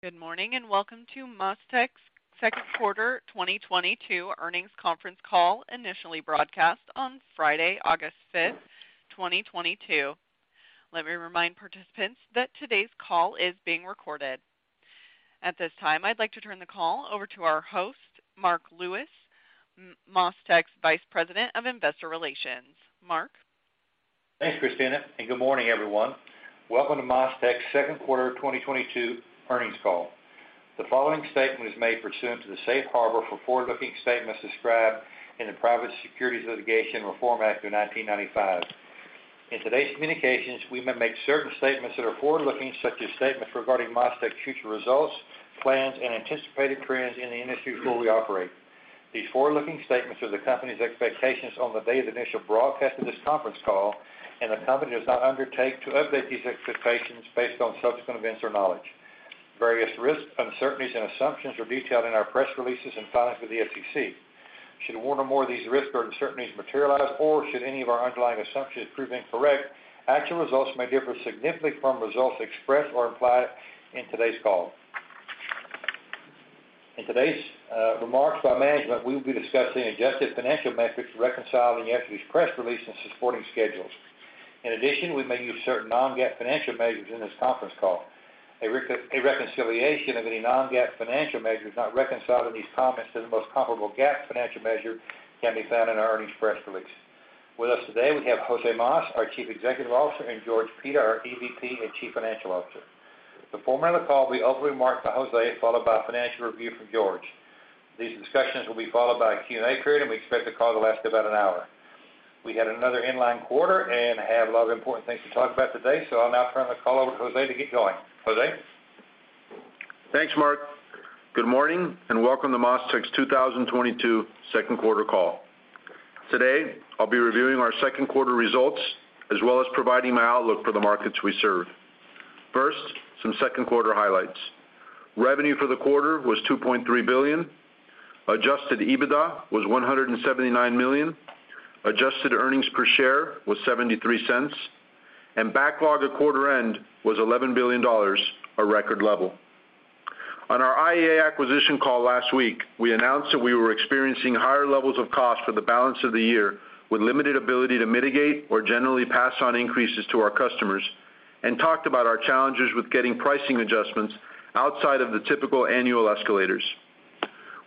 Good morning, and welcome to MasTec's Second Quarter 2022 Earnings Conference Call, initially broadcast on Friday, August 5th, 2022. Let me remind participants that today's call is being recorded. At this time, I'd like to turn the call over to our host, Marc Lewis, MasTec's Vice President of Investor Relations. Marc? Thanks, Christina, and good morning, everyone. Welcome to MasTec's Second Quarter 2022 Earnings Call. The following statement is made pursuant to the safe harbor for forward-looking statements described in the Private Securities Litigation Reform Act of 1995. In today's communications, we may make certain statements that are forward-looking, such as statements regarding MasTec's future results, plans, and anticipated trends in the industries where we operate. These forward-looking statements are the company's expectations on the day of initial broadcast of this conference call, and the company does not undertake to update these expectations based on subsequent events or knowledge. Various risks, uncertainties, and assumptions are detailed in our press releases and filings with the SEC. Should one or more of these risks or uncertainties materialize, or should any of our underlying assumptions prove incorrect, actual results may differ significantly from results expressed or implied in today's call. In today's remarks by management, we will be discussing adjusted financial metrics reconciled in yesterday's press release and supporting schedules. In addition, we may use certain non-GAAP financial measures in this conference call. A reconciliation of any non-GAAP financial measures not reconciled in these comments to the most comparable GAAP financial measure can be found in our earnings press release. With us today, we have José Mas, our Chief Executive Officer, and George Pita, our EVP and Chief Financial Officer. The format of the call will be opening remarks by José, followed by a financial review from George. These discussions will be followed by a Q&A period, and we expect the call to last about an hour. We had another in-line quarter and have a lot of important things to talk about today, so I'll now turn the call over to José to get going. José? Thanks, Marc. Good morning, and welcome to MasTec's 2022 Second Quarter Call. Today, I'll be reviewing our second quarter results, as well as providing my outlook for the markets we serve. First, some second quarter highlights. Revenue for the quarter was $2.3 billion. Adjusted EBITDA was $179 million. Adjusted earnings per share was $0.73. Backlog at quarter end was $11 billion, a record level. On our IEA acquisition call last week, we announced that we were experiencing higher levels of cost for the balance of the year, with limited ability to mitigate or generally pass on increases to our customers, and talked about our challenges with getting pricing adjustments outside of the typical annual escalators.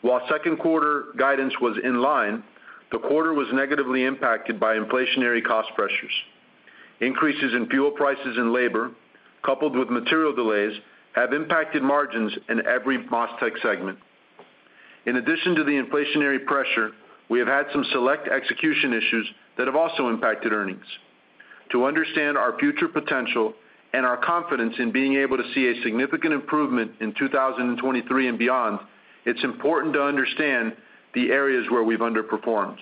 While second quarter guidance was in line, the quarter was negatively impacted by inflationary cost pressures. Increases in fuel prices and labor, coupled with material delays, have impacted margins in every MasTec segment. In addition to the inflationary pressure, we have had some select execution issues that have also impacted earnings. To understand our future potential and our confidence in being able to see a significant improvement in 2023 and beyond, it's important to understand the areas where we've underperformed.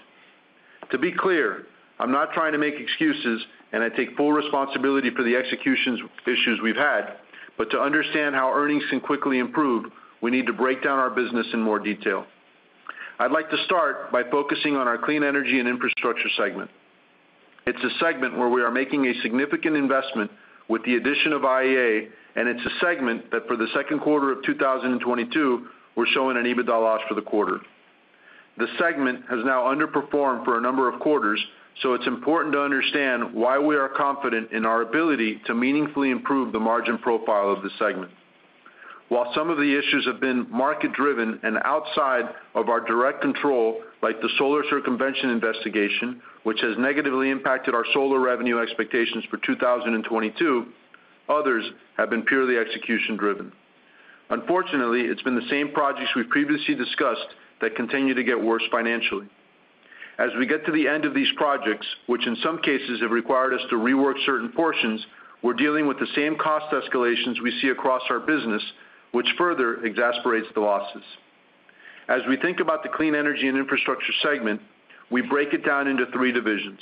To be clear, I'm not trying to make excuses, and I take full responsibility for the execution issues we've had, but to understand how earnings can quickly improve, we need to break down our business in more detail. I'd like to start by focusing on our clean energy and infrastructure segment. It's a segment where we are making a significant investment with the addition of IEA, and it's a segment that for the second quarter of 2022, we're showing an EBITDA loss for the quarter. The segment has now underperformed for a number of quarters, so it's important to understand why we are confident in our ability to meaningfully improve the margin profile of the segment. While some of the issues have been market-driven and outside of our direct control, like the solar circumvention investigation, which has negatively impacted our solar revenue expectations for 2022, others have been purely execution-driven. Unfortunately, it's been the same projects we've previously discussed that continue to get worse financially. As we get to the end of these projects, which in some cases have required us to rework certain portions, we're dealing with the same cost escalations we see across our business, which further exacerbates the losses. As we think about the clean energy and infrastructure segment, we break it down into three divisions,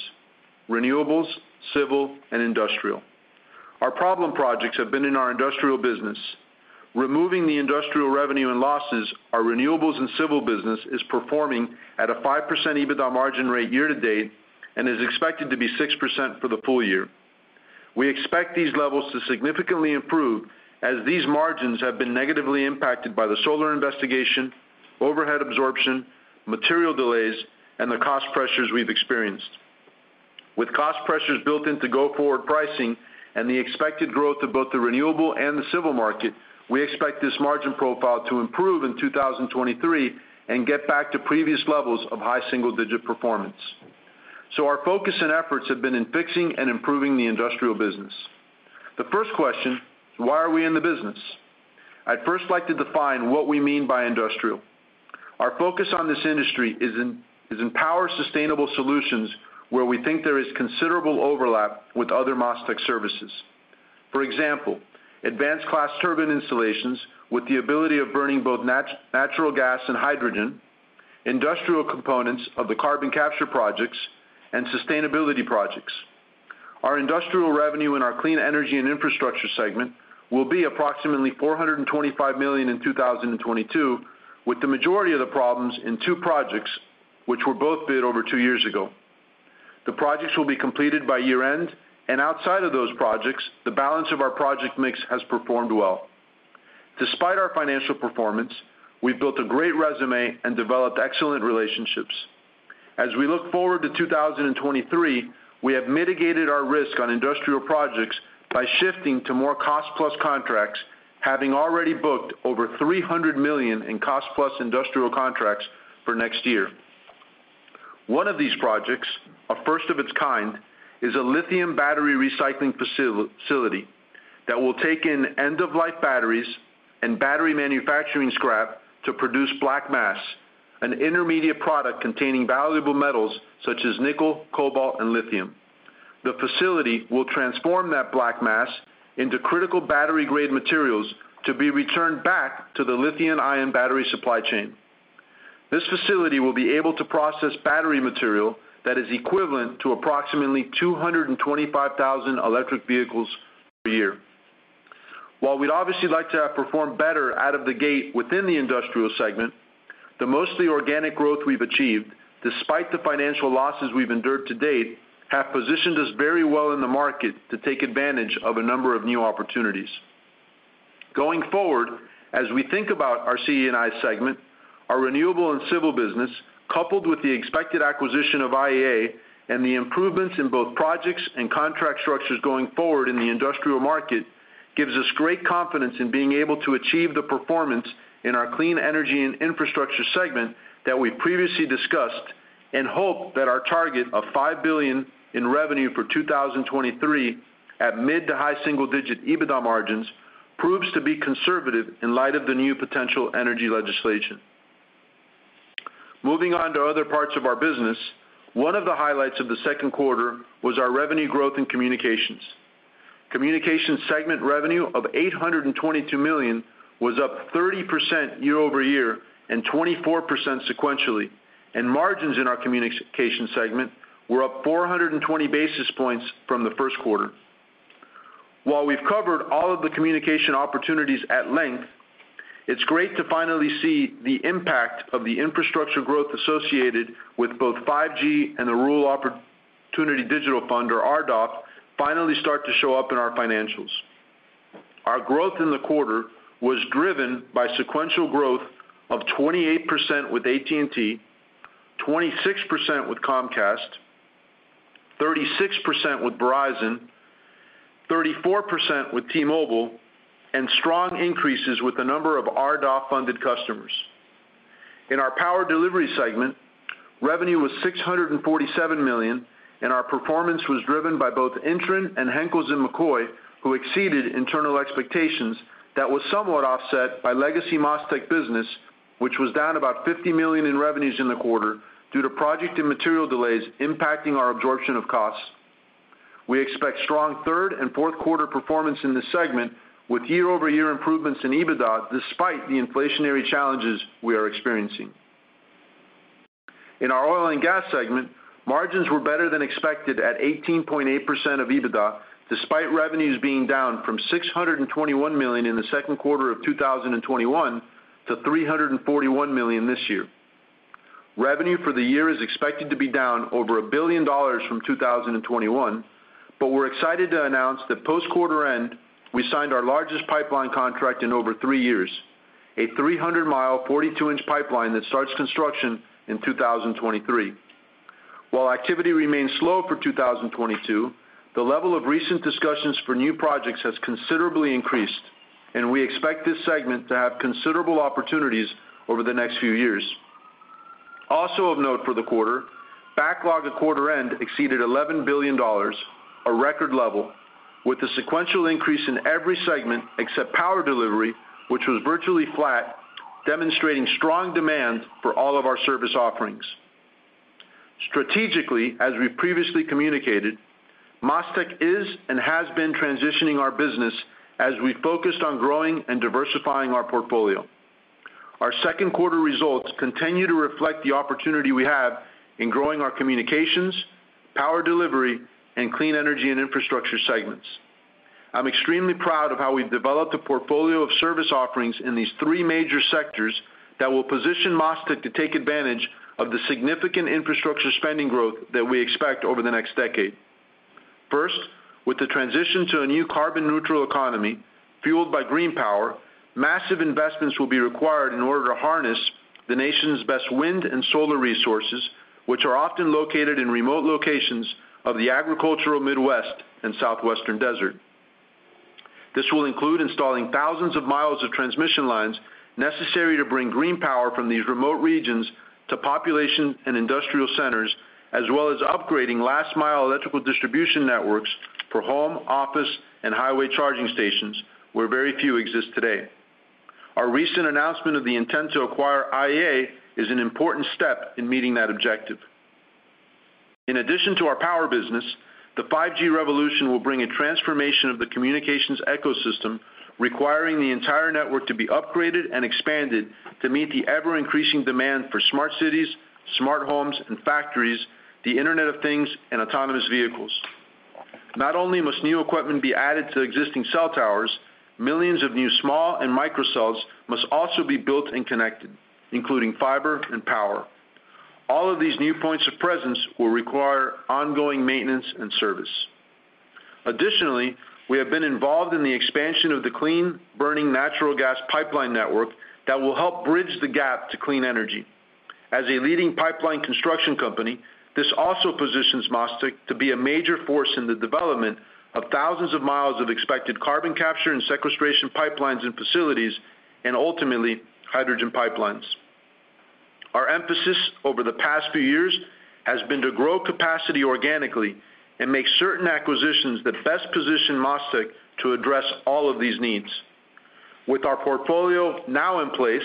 renewables, civil, and industrial. Our problem projects have been in our industrial business. Removing the industrial revenue and losses, our renewables and civil business is performing at a 5% EBITDA margin rate year-to-date and is expected to be 6% for the full year. We expect these levels to significantly improve as these margins have been negatively impacted by the solar investigation, overhead absorption, material delays, and the cost pressures we've experienced. With cost pressures built into go-forward pricing and the expected growth of both the renewable and the civil market, we expect this margin profile to improve in 2023 and get back to previous levels of high single-digit performance. Our focus and efforts have been in fixing and improving the industrial business. The first question, why are we in the business? I'd first like to define what we mean by industrial. Our focus on this industry is in power sustainable solutions where we think there is considerable overlap with other MasTec services. For example, advanced class turbine installations with the ability of burning both natural gas and hydrogen, industrial components of the carbon capture projects, and sustainability projects. Our industrial revenue in our clean energy and infrastructure segment will be approximately $425 million in 2022, with the majority of the problems in two projects which were both bid over two years ago. The projects will be completed by year-end, and outside of those projects, the balance of our project mix has performed well. Despite our financial performance, we've built a great resume and developed excellent relationships. As we look forward to 2023, we have mitigated our risk on industrial projects by shifting to more cost-plus contracts, having already booked over $300 million in cost-plus industrial contracts for next year. One of these projects, a first of its kind, is a lithium battery recycling facility that will take in end-of-life batteries and battery manufacturing scrap to produce black mass, an intermediate product containing valuable metals such as nickel, cobalt, and lithium. The facility will transform that black mass into critical battery-grade materials to be returned back to the lithium-ion battery supply chain. This facility will be able to process battery material that is equivalent to approximately 225,000 electric vehicles per year. While we'd obviously like to have performed better out of the gate within the industrial segment, the mostly organic growth we've achieved, despite the financial losses we've endured to date, have positioned us very well in the market to take advantage of a number of new opportunities. Going forward, as we think about our CE&I segment, our renewable and civil business, coupled with the expected acquisition of IEA and the improvements in both projects and contract structures going forward in the industrial market, gives us great confidence in being able to achieve the performance in our clean energy and infrastructure segment that we previously discussed and hope that our target of $5 billion in revenue for 2023 at mid- to high single-digit EBITDA margins proves to be conservative in light of the new potential energy legislation. Moving on to other parts of our business, one of the highlights of the second quarter was our revenue growth in communications. Communications segment revenue of $822 million was up 30% year-over-year and 24% sequentially, and margins in our communication segment were up 420 basis points from the first quarter. While we've covered all of the communication opportunities at length, it's great to finally see the impact of the infrastructure growth associated with both 5G and the Rural Digital Opportunity Fund, or RDOF, finally start to show up in our financials. Our growth in the quarter was driven by sequential growth of 28% with AT&T, 26% with Comcast, 36% with Verizon, 34% with T-Mobile, and strong increases with a number of RDOF-funded customers. In our power delivery segment, revenue was $647 million, and our performance was driven by both Intren and Henkels & McCoy, who exceeded internal expectations that was somewhat offset by legacy MasTec business, which was down about $50 million in revenues in the quarter due to project and material delays impacting our absorption of costs. We expect strong third and fourth quarter performance in this segment with year-over-year improvements in EBITDA despite the inflationary challenges we are experiencing. In our oil and gas segment, margins were better than expected at 18.8% EBITDA, despite revenues being down from $621 million in the second quarter of 2021 to $341 million this year. Revenue for the year is expected to be down over $1 billion from 2021, but we're excited to announce that post-quarter end, we signed our largest pipeline contract in over three years, a 300 mi, 42 in. pipeline that starts construction in 2023. While activity remains slow for 2022, the level of recent discussions for new projects has considerably increased, and we expect this segment to have considerable opportunities over the next few years. Also of note for the quarter, backlog at quarter end exceeded $11 billion, a record level, with a sequential increase in every segment except power delivery, which was virtually flat, demonstrating strong demand for all of our service offerings. Strategically, as we previously communicated, MasTec is and has been transitioning our business as we focused on growing and diversifying our portfolio. Our second quarter results continue to reflect the opportunity we have in growing our communications, power delivery, and clean energy and infrastructure segments. I'm extremely proud of how we've developed a portfolio of service offerings in these three major sectors that will position MasTec to take advantage of the significant infrastructure spending growth that we expect over the next decade. First, with the transition to a new carbon neutral economy fueled by green power, massive investments will be required in order to harness the nation's best wind and solar resources, which are often located in remote locations of the agricultural Midwest and Southwestern desert. This will include installing thousands of miles of transmission lines necessary to bring green power from these remote regions to population and industrial centers, as well as upgrading last mile electrical distribution networks for home, office, and highway charging stations, where very few exist today. Our recent announcement of the intent to acquire IEA is an important step in meeting that objective. In addition to our power business, the 5G revolution will bring a transformation of the communications ecosystem, requiring the entire network to be upgraded and expanded to meet the ever-increasing demand for smart cities, smart homes and factories, the Internet of Things, and autonomous vehicles. Not only must new equipment be added to existing cell towers, millions of new small and micro cells must also be built and connected, including fiber and power. All of these new points of presence will require ongoing maintenance and service. Additionally, we have been involved in the expansion of the clean burning natural gas pipeline network that will help bridge the gap to clean energy. As a leading pipeline construction company, this also positions MasTec to be a major force in the development of thousands of miles of expected carbon capture and sequestration pipelines and facilities, and ultimately, hydrogen pipelines. Our emphasis over the past few years has been to grow capacity organically and make certain acquisitions that best position MasTec to address all of these needs. With our portfolio now in place,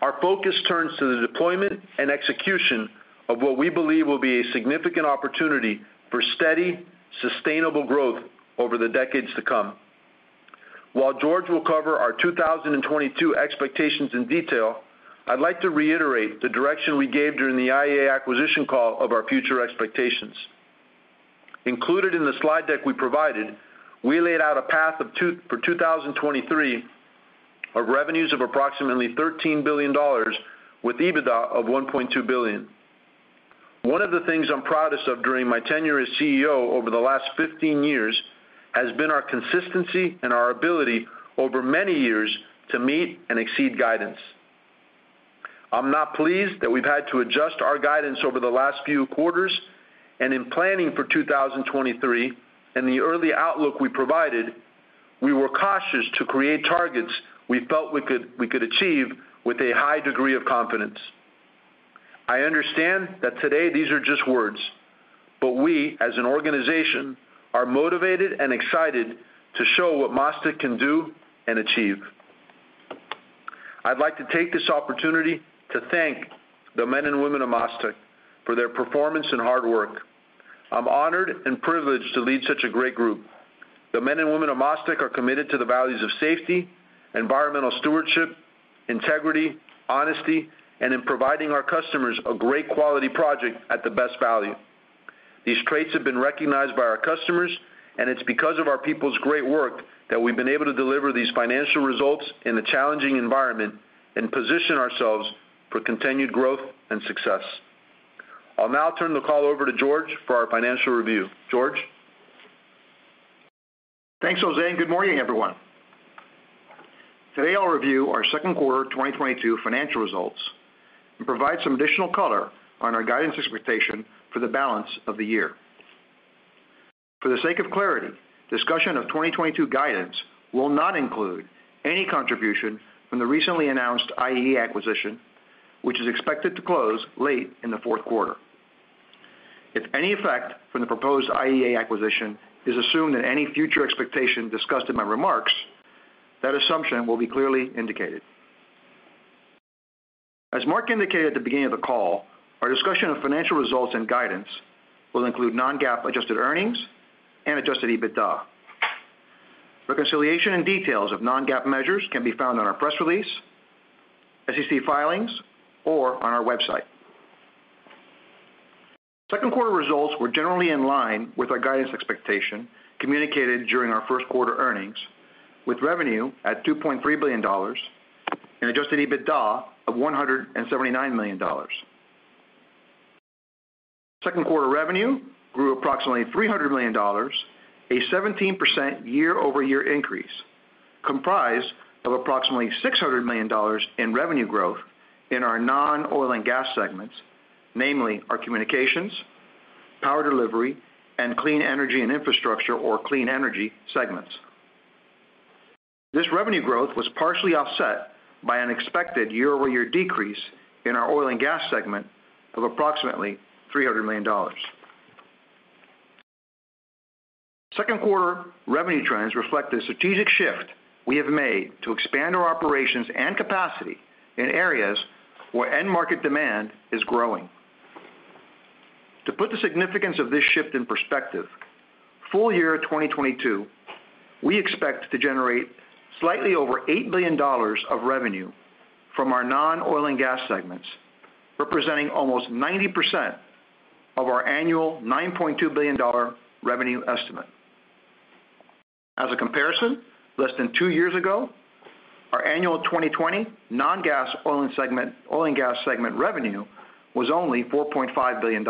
our focus turns to the deployment and execution of what we believe will be a significant opportunity for steady, sustainable growth over the decades to come. While George will cover our 2022 expectations in detail, I'd like to reiterate the direction we gave during the IEA acquisition call of our future expectations. Included in the slide deck we provided, we laid out a path for 2023 of revenues of approximately $13 billion with EBITDA of $1.2 billion. One of the things I'm proudest of during my tenure as CEO over the last 15 years has been our consistency and our ability over many years to meet and exceed guidance. I'm not pleased that we've had to adjust our guidance over the last few quarters, and in planning for 2023, in the early outlook we provided, we were cautious to create targets we felt we could achieve with a high degree of confidence. I understand that today these are just words, but we, as an organization, are motivated and excited to show what MasTec can do and achieve. I'd like to take this opportunity to thank the men and women of MasTec for their performance and hard work. I'm honored and privileged to lead such a great group. The men and women of MasTec are committed to the values of safety, environmental stewardship, integrity, honesty, and in providing our customers a great quality project at the best value. These traits have been recognized by our customers, and it's because of our people's great work that we've been able to deliver these financial results in a challenging environment and position ourselves for continued growth and success. I'll now turn the call over to George for our financial review. George? Thanks, José, and good morning, everyone. Today, I'll review our second quarter 2022 financial results and provide some additional color on our guidance expectation for the balance of the year. For the sake of clarity, discussion of 2022 guidance will not include any contribution from the recently announced IEA acquisition, which is expected to close late in the fourth quarter. If any effect from the proposed IEA acquisition is assumed in any future expectation discussed in my remarks, that assumption will be clearly indicated. As Marc indicated at the beginning of the call, our discussion of financial results and guidance will include non-GAAP adjusted earnings and Adjusted EBITDA. Reconciliation and details of non-GAAP measures can be found on our press release, SEC filings, or on our website. Second quarter results were generally in line with our guidance expectation communicated during our first quarter earnings, with revenue at $2.3 billion and Adjusted EBITDA of $179 million. Second quarter revenue grew approximately $300 million, a 17% year-over-year increase, comprised of approximately $600 million in revenue growth in our non-oil and gas segments, namely our communications, power delivery, and clean energy and infrastructure, or clean energy segments. This revenue growth was partially offset by an expected year-over-year decrease in our oil and gas segment of approximately $300 million. Second quarter revenue trends reflect the strategic shift we have made to expand our operations and capacity in areas where end market demand is growing. To put the significance of this shift in perspective, full year 2022, we expect to generate slightly over $8 billion of revenue from our non-oil and gas segments, representing almost 90% of our annual $9.2 billion revenue estimate. As a comparison, less than two years ago, our annual 2020 oil and gas segment revenue was only $4.5 billion.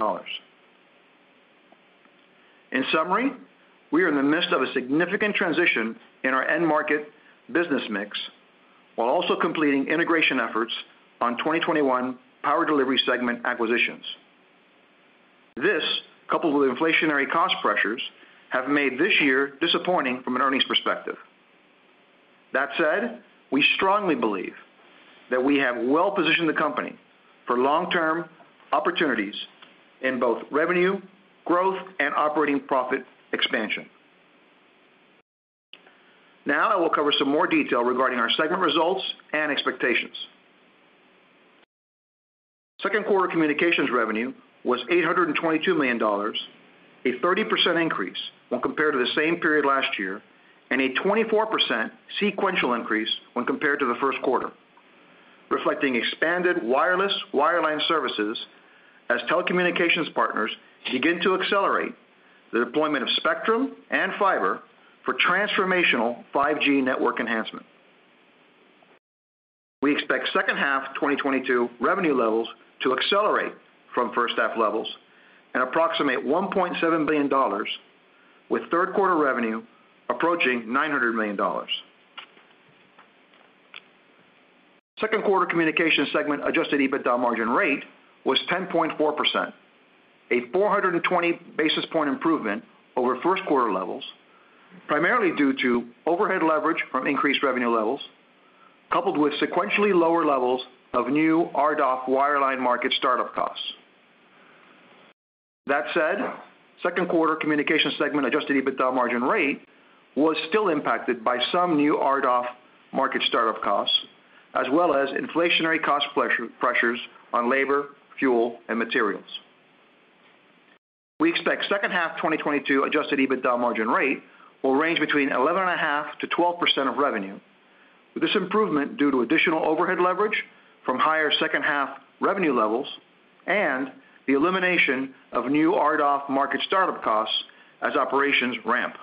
In summary, we are in the midst of a significant transition in our end market business mix while also completing integration efforts on 2021 power delivery segment acquisitions. This, coupled with inflationary cost pressures, have made this year disappointing from an earnings perspective. That said, we strongly believe that we have well-positioned the company for long-term opportunities in both revenue, growth, and operating profit expansion. Now, I will cover some more detail regarding our segment results and expectations. Second quarter communications revenue was $822 million, a 30% increase when compared to the same period last year, and a 24% sequential increase when compared to the first quarter. Reflecting expanded wireless wireline services as telecommunications partners begin to accelerate the deployment of spectrum and fiber for transformational 5G network enhancement. We expect second half 2022 revenue levels to accelerate from first half levels and approximate $1.7 billion with third quarter revenue approaching $900 million. Second quarter communication segment Adjusted EBITDA margin rate was 10.4%. A 420 basis point improvement over first quarter levels, primarily due to overhead leverage from increased revenue levels, coupled with sequentially lower levels of new RDOF wireline market start-up costs. That said, second quarter communication segment Adjusted EBITDA margin rate was still impacted by some new RDOF market start-up costs as well as inflationary cost pressures on labor, fuel and materials. We expect second half 2022 Adjusted EBITDA margin rate will range between 11.5%-12% of revenue, with this improvement due to additional overhead leverage from higher second half revenue levels and the elimination of new RDOF market start-up costs as operations ramp.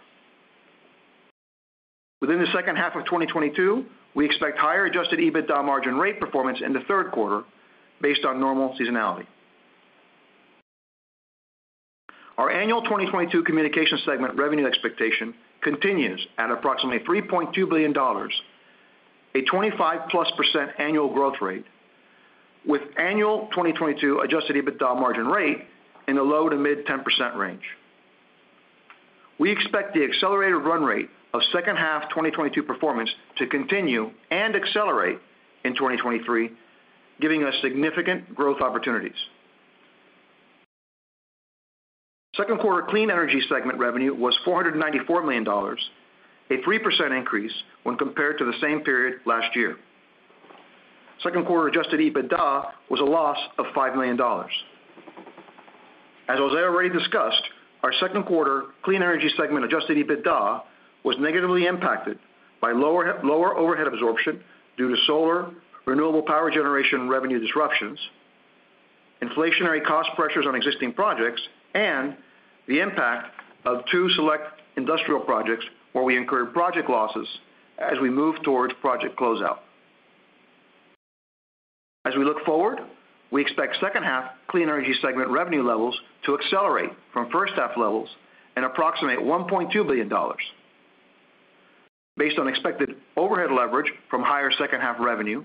Within the second half of 2022, we expect higher Adjusted EBITDA margin rate performance in the third quarter based on normal seasonality. Our annual 2022 communication segment revenue expectation continues at approximately $3.2 billion, a 25%+ annual growth rate with annual 2022 Adjusted EBITDA margin rate in the low- to mid-10% range. We expect the accelerated run rate of second half 2022 performance to continue and accelerate in 2023, giving us significant growth opportunities. Second quarter clean energy segment revenue was $494 million, a 3% increase when compared to the same period last year. Second quarter Adjusted EBITDA was a loss of $5 million. As José already discussed, our second quarter clean energy segment Adjusted EBITDA was negatively impacted by lower overhead absorption due to solar renewable power generation revenue disruptions, inflationary cost pressures on existing projects, and the impact of two select industrial projects where we incurred project losses as we move towards project closeout. As we look forward, we expect second half clean energy segment revenue levels to accelerate from first half levels and approximate $1.2 billion. Based on expected overhead leverage from higher second half revenue,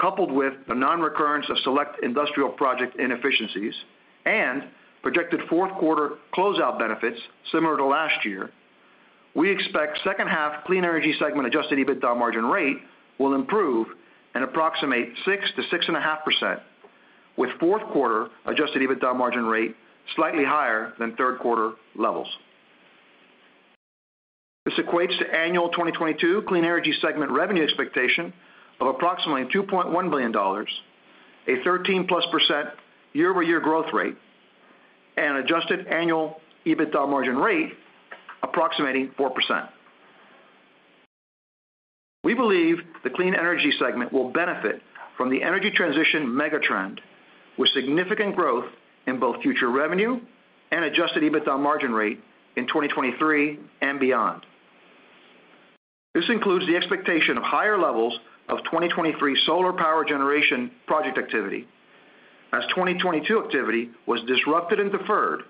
coupled with the nonrecurrence of select industrial project inefficiencies and projected fourth-quarter closeout benefits similar to last year, we expect second half clean energy segment Adjusted EBITDA margin rate will improve an approximate 6%-6.5%, with fourth quarter Adjusted EBITDA margin rate slightly higher than third quarter levels. This equates to annual 2022 clean energy segment revenue expectation of approximately $2.1 billion, a 13%+ year-over-year growth rate and adjusted annual EBITDA margin rate approximating 4%. We believe the clean energy segment will benefit from the energy transition mega trend with significant growth in both future revenue and Adjusted EBITDA margin rate in 2023 and beyond. This includes the expectation of higher levels of 2023 solar power generation project activity, as 2022 activity was disrupted and deferred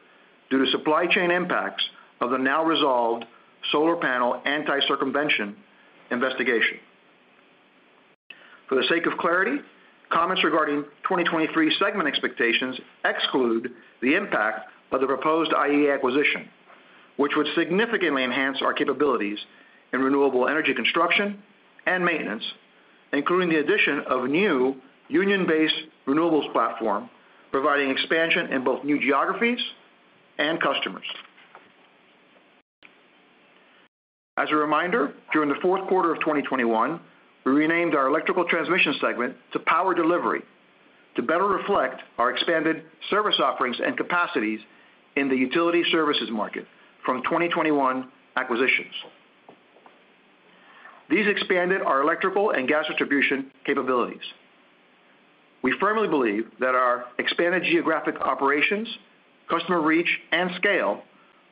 due to supply chain impacts of the now resolved solar panel anti-circumvention investigation. For the sake of clarity, comments regarding 2023 segment expectations exclude the impact of the proposed IEA acquisition, which would significantly enhance our capabilities in renewable energy construction and maintenance, including the addition of new union-based renewables platform, providing expansion in both new geographies and customers. As a reminder, during the fourth quarter of 2021, we renamed our Electrical Transmission segment to Power Delivery to better reflect our expanded service offerings and capacities in the utility services market from 2021 acquisitions. These expanded our electrical and gas distribution capabilities. We firmly believe that our expanded geographic operations, customer reach and scale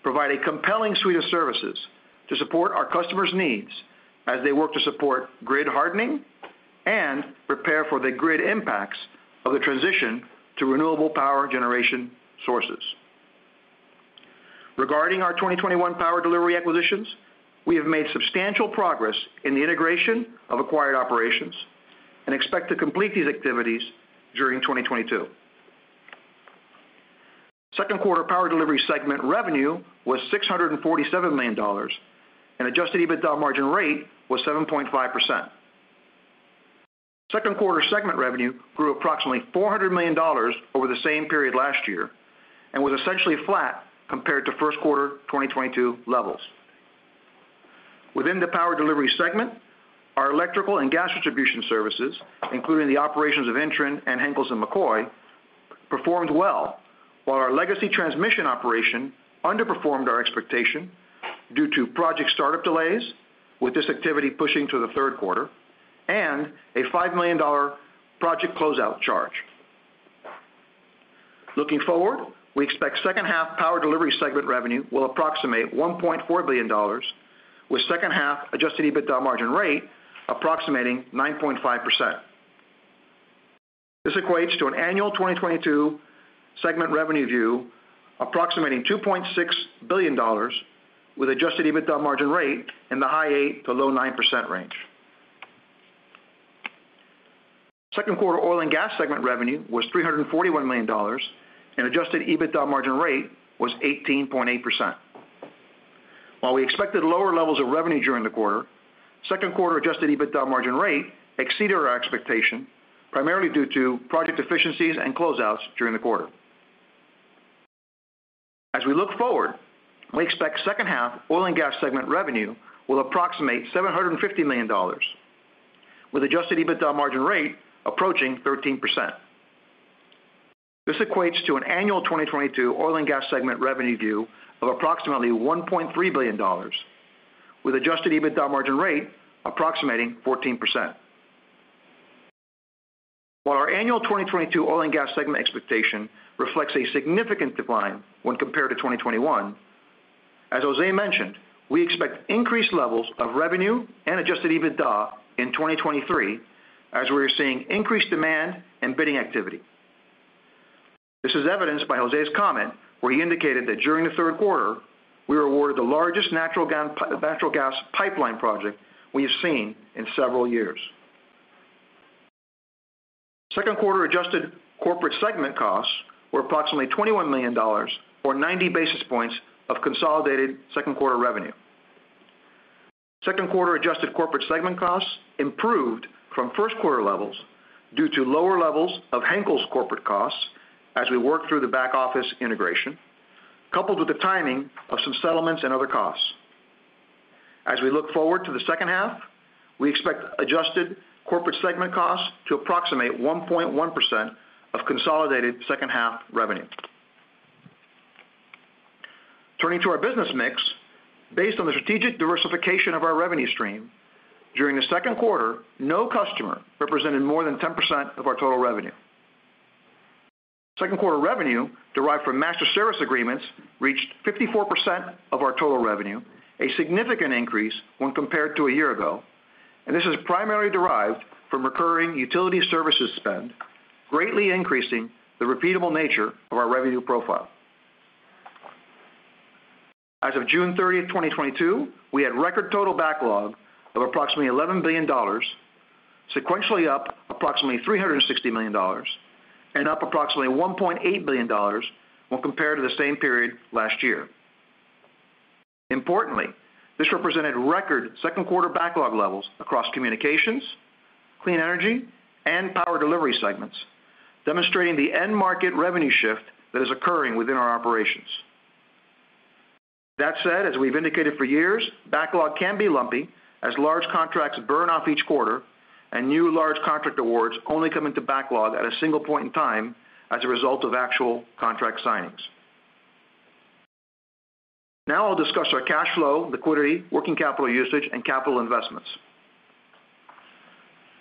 provide a compelling suite of services to support our customers' needs as they work to support grid hardening and prepare for the grid impacts of the transition to renewable power generation sources. Regarding our 2021 power delivery acquisitions, we have made substantial progress in the integration of acquired operations and expect to complete these activities during 2022. Second quarter power delivery segment revenue was $647 million, and Adjusted EBITDA margin rate was 7.5%. Second quarter segment revenue grew approximately $400 million over the same period last year and was essentially flat compared to first quarter 2022 levels. Within the power delivery segment, our electrical and gas distribution services, including the operations of Intren and Henkels & McCoy performed well, while our legacy transmission operation underperformed our expectation due to project startup delays, with this activity pushing to the third quarter and a $5 million project closeout charge. Looking forward, we expect second half power delivery segment revenue will approximate $1.4 billion, with second half Adjusted EBITDA margin rate approximating 9.5%. This equates to an annual 2022 segment revenue view approximating $2.6 billion with Adjusted EBITDA margin rate in the high 8%-low 9% range. Second quarter oil and gas segment revenue was $341 million, and Adjusted EBITDA margin rate was 18.8%. While we expected lower levels of revenue during the quarter, second quarter Adjusted EBITDA margin rate exceeded our expectation, primarily due to project efficiencies and closeouts during the quarter. As we look forward, we expect second half oil and gas segment revenue will approximate $750 million with Adjusted EBITDA margin rate approaching 13%. This equates to an annual 2022 oil and gas segment revenue view of approximately $1.3 billion, with Adjusted EBITDA margin rate approximating 14%. While our annual 2022 oil and gas segment expectation reflects a significant decline when compared to 2021, as José mentioned, we expect increased levels of revenue and Adjusted EBITDA in 2023 as we are seeing increased demand and bidding activity. This is evidenced by José's comment where he indicated that during the third quarter we were awarded the largest natural gas pipeline project we have seen in several years. Second quarter adjusted corporate segment costs were approximately $21 million or 90 basis points of consolidated second-quarter revenue. Second quarter adjusted corporate segment costs improved from first quarter levels due to lower levels of Henkels' corporate costs as we work through the back-office integration, coupled with the timing of some settlements and other costs. As we look forward to the second half, we expect adjusted corporate segment costs to approximate 1.1% of consolidated second-half revenue. Turning to our business mix. Based on the strategic diversification of our revenue stream, during the second quarter, no customer represented more than 10% of our total revenue. Second quarter revenue derived from master service agreements reached 54% of our total revenue, a significant increase when compared to a year ago. This is primarily derived from recurring utility services spend, greatly increasing the repeatable nature of our revenue profile. As of June 30, 2022, we had record total backlog of approximately $11 billion, sequentially up approximately $360 million, and up approximately $1.8 billion when compared to the same period last year. Importantly, this represented record second-quarter backlog levels across communications, clean energy, and power delivery segments, demonstrating the end market revenue shift that is occurring within our operations. That said, as we've indicated for years, backlog can be lumpy as large contracts burn off each quarter, and new large contract awards only come into backlog at a single point in time as a result of actual contract signings. Now I'll discuss our cash flow, liquidity, working capital usage, and capital investments.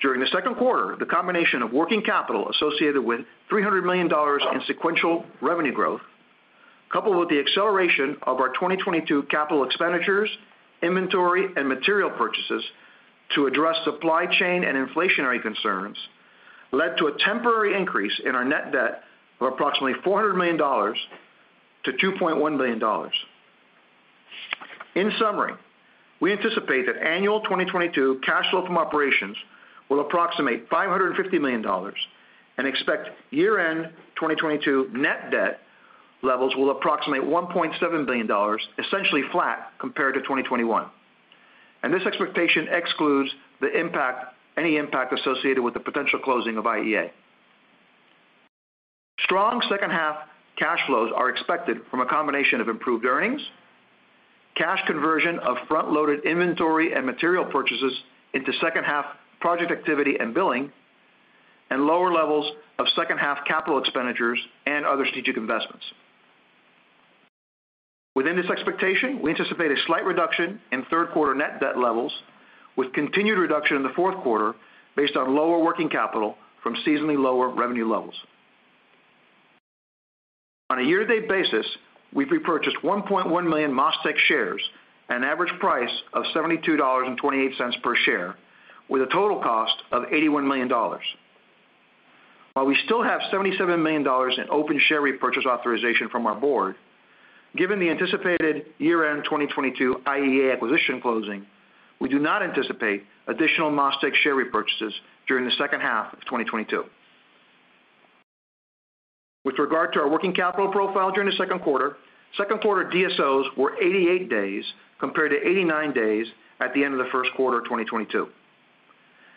During the second quarter, the combination of working capital associated with $300 million in sequential revenue growth, coupled with the acceleration of our 2022 capital expenditures, inventory, and material purchases to address supply chain and inflationary concerns, led to a temporary increase in our net debt of approximately $400 million to $2.1 billion. In summary, we anticipate that annual 2022 cash flow from operations will approximate $550 million and expect year-end 2022 net debt levels will approximate $1.7 billion, essentially flat compared to 2021. This expectation excludes the impact, any impact associated with the potential closing of IEA. Strong second-half cash flows are expected from a combination of improved earnings, cash conversion of front-loaded inventory and material purchases into second half project activity and billing, and lower levels of second half capital expenditures and other strategic investments. Within this expectation, we anticipate a slight reduction in third-quarter net debt levels with continued reduction in the fourth quarter based on lower working capital from seasonally lower revenue levels. On a year-to-date basis, we've repurchased 1.1 million MasTec shares at an average price of $72.28 per share with a total cost of $81 million. While we still have $77 million in open share repurchase authorization from our board, given the anticipated year-end 2022 IEA acquisition closing, we do not anticipate additional MasTec share repurchases during the second half of 2022. With regard to our working capital profile during the second quarter, second quarter DSOs were 88 days compared to 89 days at the end of the first quarter of 2022.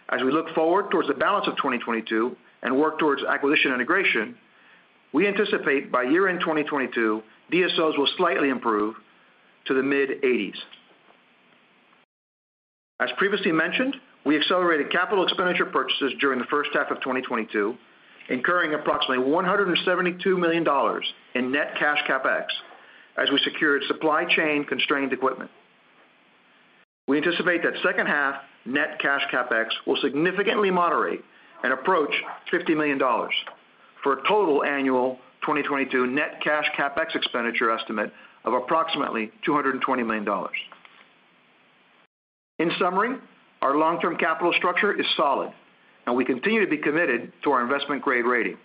As we look forward towards the balance of 2022 and work towards acquisition integration, we anticipate by year-end 2022, DSOs will slightly improve to the mid-80s. As previously mentioned, we accelerated capital expenditure purchases during the first half of 2022, incurring approximately $172 million in net cash CapEx as we secured supply chain constrained equipment. We anticipate that second half net cash CapEx will significantly moderate and approach $50 million for a total annual 2022 net cash CapEx expenditure estimate of approximately $220 million. In summary, our long-term capital structure is solid, and we continue to be committed to our investment-grade rating.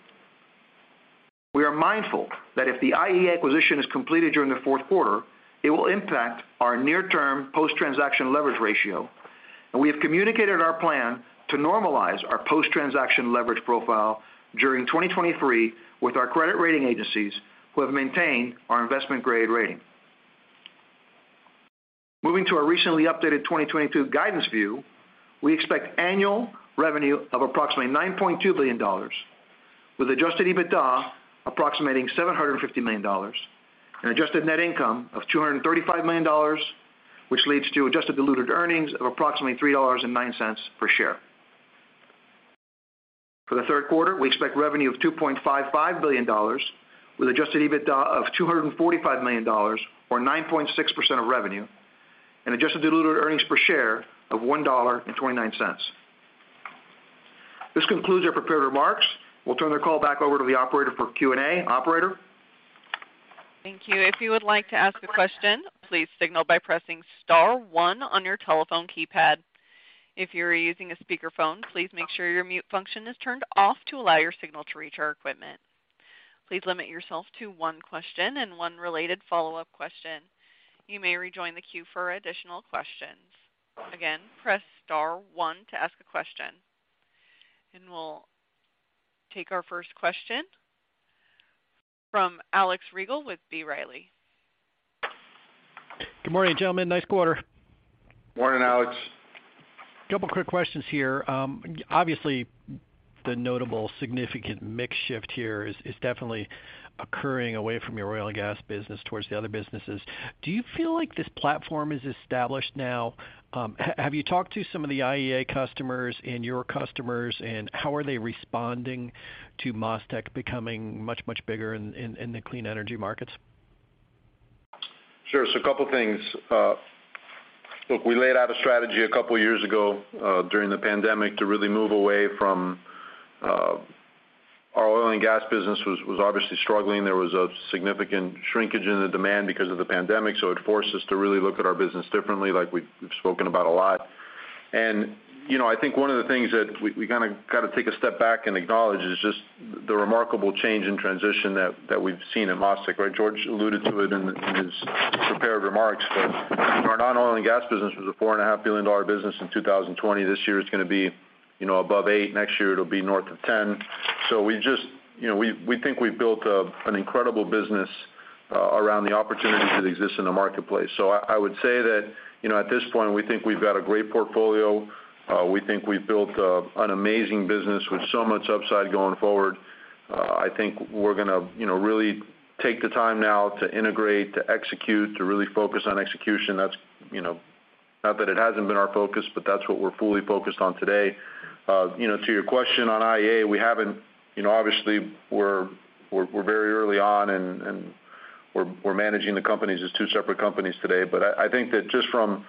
We are mindful that if the IEA acquisition is completed during the fourth quarter, it will impact our near-term post-transaction leverage ratio. We have communicated our plan to normalize our post-transaction leverage profile during 2023 with our credit rating agencies, who have maintained our investment-grade rating. Moving to our recently updated 2022 guidance view, we expect annual revenue of approximately $9.2 billion, with Adjusted EBITDA approximating $750 million and adjusted net income of $235 million, which leads to adjusted diluted earnings of approximately $3.09 per share. For the third quarter, we expect revenue of $2.55 billion with Adjusted EBITDA of $245 million or 9.6% of revenue and adjusted diluted earnings per share of $1.29. This concludes our prepared remarks. We'll turn the call back over to the operator for Q&A. Operator? Thank you. If you would like to ask a question, please signal by pressing star one on your telephone keypad. If you're using a speakerphone, please make sure your mute function is turned off to allow your signal to reach our equipment. Please limit yourself to one question and one related follow-up question. You may rejoin the queue for additional questions. Again, press star one to ask a question. We'll take our first question from Alex Rygiel with B. Riley. Good morning, gentlemen. Nice quarter. Morning, Alex. A couple of quick questions here. Obviously, the notable significant mix shift here is definitely occurring away from your oil and gas business towards the other businesses. Do you feel like this platform is established now? Have you talked to some of the IEA customers and your customers, and how are they responding to MasTec becoming much bigger in the clean energy markets? Sure. A couple of things. Look, we laid out a strategy a couple of years ago during the pandemic to really move away from our oil and gas business. It was obviously struggling. There was a significant shrinkage in the demand because of the pandemic, so it forced us to really look at our business differently, like we've spoken about a lot. You know, I think one of the things that we gotta take a step back and acknowledge is just the remarkable change and transition that we've seen at MasTec, right? George alluded to it in his prepared remarks, but our non-oil and gas business was a $4.5 billion business in 2020. This year, it's gonna be, you know, above $8 billion. Next year, it'll be north of $10 billion. We just think we've built an incredible business around the opportunities that exist in the marketplace. I would say that at this point, we think we've got a great portfolio. We think we've built an amazing business with so much upside going forward. I think we're gonna really take the time now to integrate, to execute, to really focus on execution. That's not that it hasn't been our focus, but that's what we're fully focused on today. To your question on IEA, we haven't. Obviously, we're very early on and we're managing the companies as two separate companies today. I think that just from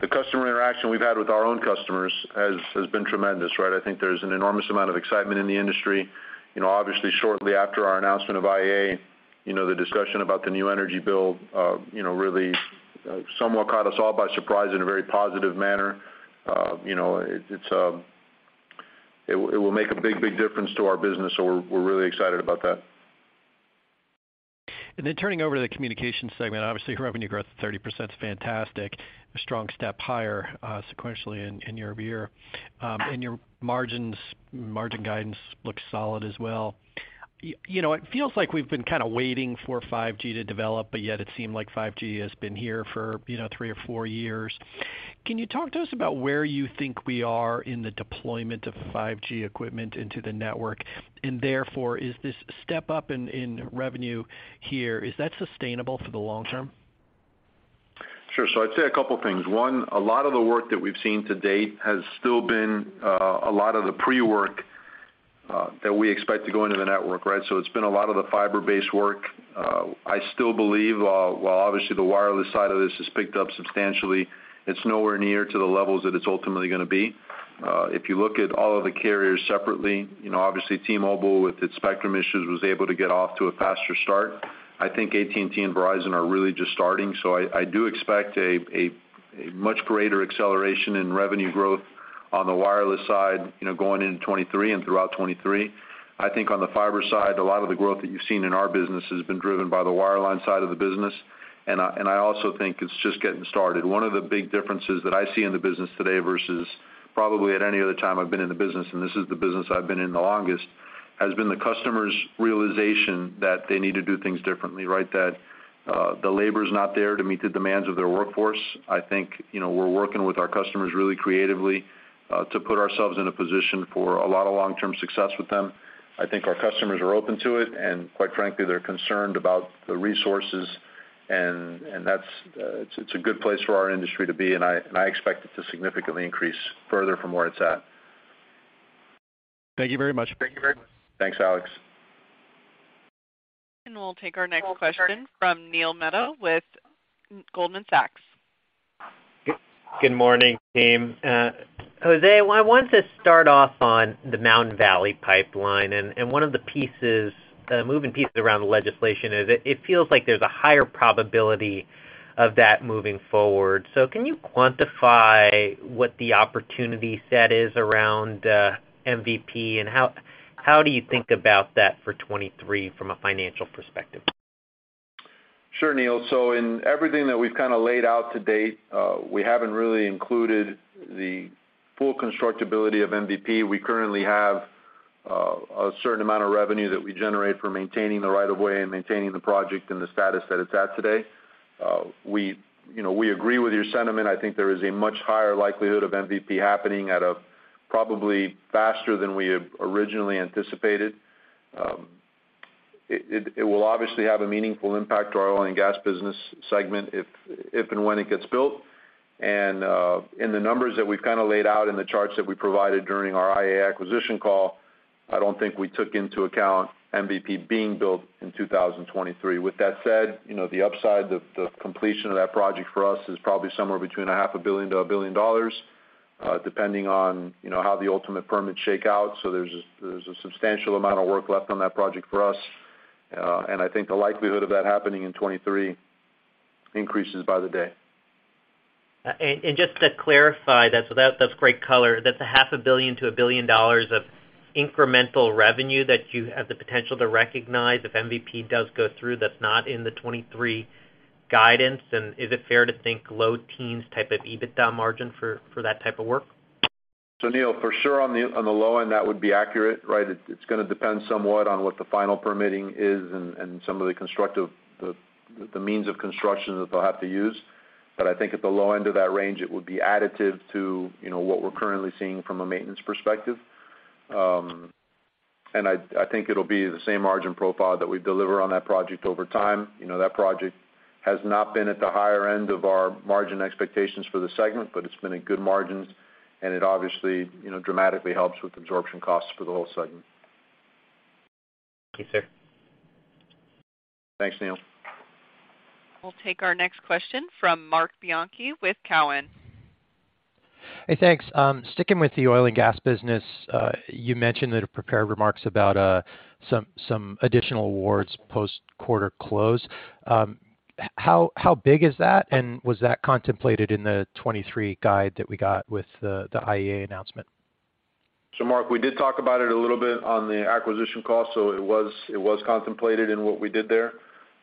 the customer interaction we've had with our own customers has been tremendous, right? I think there's an enormous amount of excitement in the industry. You know, obviously, shortly after our announcement of IEA, you know, the discussion about the new energy bill, you know, really, somewhat caught us all by surprise in a very positive manner. You know, it will make a big difference to our business, so we're really excited about that. Then turning over to the communication segment, obviously, revenue growth at 30% is fantastic, a strong step higher sequentially and year-over-year. Your margins, margin guidance looks solid as well. You know, it feels like we've been kinda waiting for 5G to develop, but yet it seemed like 5G has been here for, you know, three or four years. Can you talk to us about where you think we are in the deployment of 5G equipment into the network? Therefore, is this step up in revenue here, is that sustainable for the long term? Sure. I'd say a couple of things. One, a lot of the work that we've seen to date has still been a lot of the pre-work that we expect to go into the network, right? It's been a lot of the fiber-based work. I still believe, while obviously the wireless side of this has picked up substantially, it's nowhere near to the levels that it's ultimately gonna be. If you look at all of the carriers separately, you know, obviously T-Mobile with its spectrum issues was able to get off to a faster start. I think AT&T and Verizon are really just starting. I do expect a much greater acceleration in revenue growth on the wireless side, you know, going into 2023 and throughout 2023. I think on the fiber side, a lot of the growth that you've seen in our business has been driven by the wireline side of the business. I also think it's just getting started. One of the big differences that I see in the business today versus probably at any other time I've been in the business, and this is the business I've been in the longest, has been the customer's realization that they need to do things differently, right? That the labor is not there to meet the demands of their workforce. I think, you know, we're working with our customers really creatively to put ourselves in a position for a lot of long-term success with them. I think our customers are open to it, and quite frankly, they're concerned about the resources. That's a good place for our industry to be, and I expect it to significantly increase further from where it's at. Thank you very much. Thank you very much. Thanks, Alex. We'll take our next question from Neil Mehta with Goldman Sachs. Good morning, team. José, I wanted to start off on the Mountain Valley Pipeline and one of the moving pieces around the legislation is it feels like there's a higher probability of that moving forward. Can you quantify what the opportunity set is around MVP and how do you think about that for 2023 from a financial perspective? Sure, Neil. In everything that we've kind of laid out to date, we haven't really included the full constructability of MVP. We currently have a certain amount of revenue that we generate for maintaining the right of way and maintaining the project in the status that it's at today. We agree with your sentiment. I think there is a much higher likelihood of MVP happening at probably a faster than we had originally anticipated. It will obviously have a meaningful impact to our oil and gas business segment if and when it gets built. In the numbers that we've kind of laid out in the charts that we provided during our IEA acquisition call, I don't think we took into account MVP being built in 2023. With that said, you know, the upside, the completion of that project for us is probably somewhere between a $500 million to $1 billion, depending on, you know, how the ultimate permits shake out. There's a substantial amount of work left on that project for us. I think the likelihood of that happening in 2023 increases by the day. Just to clarify that, so that's great color. That's a half a billion to a billion dollars of incremental revenue that you have the potential to recognize if MVP does go through. That's not in the 2023 guidance. Is it fair to think low teens type of EBITDA margin for that type of work? Neil, for sure on the low end, that would be accurate, right? It's gonna depend somewhat on what the final permitting is and some of the means of construction that they'll have to use. I think at the low end of that range, it would be additive to, you know, what we're currently seeing from a maintenance perspective. I think it'll be the same margin profile that we deliver on that project over time. You know, that project has not been at the higher end of our margin expectations for the segment, but it's been in good margins, and it obviously, you know, dramatically helps with absorption costs for the whole segment. Thank you, sir. Thanks, Neil. We'll take our next question from Marc Bianchi with Cowen. Hey, thanks. Sticking with the oil and gas business, you mentioned in the prepared remarks about some additional awards post quarter close. How big is that? Was that contemplated in the 2023 guide that we got with the IEA announcement? Marc, we did talk about it a little bit on the acquisition call. It was contemplated in what we did there.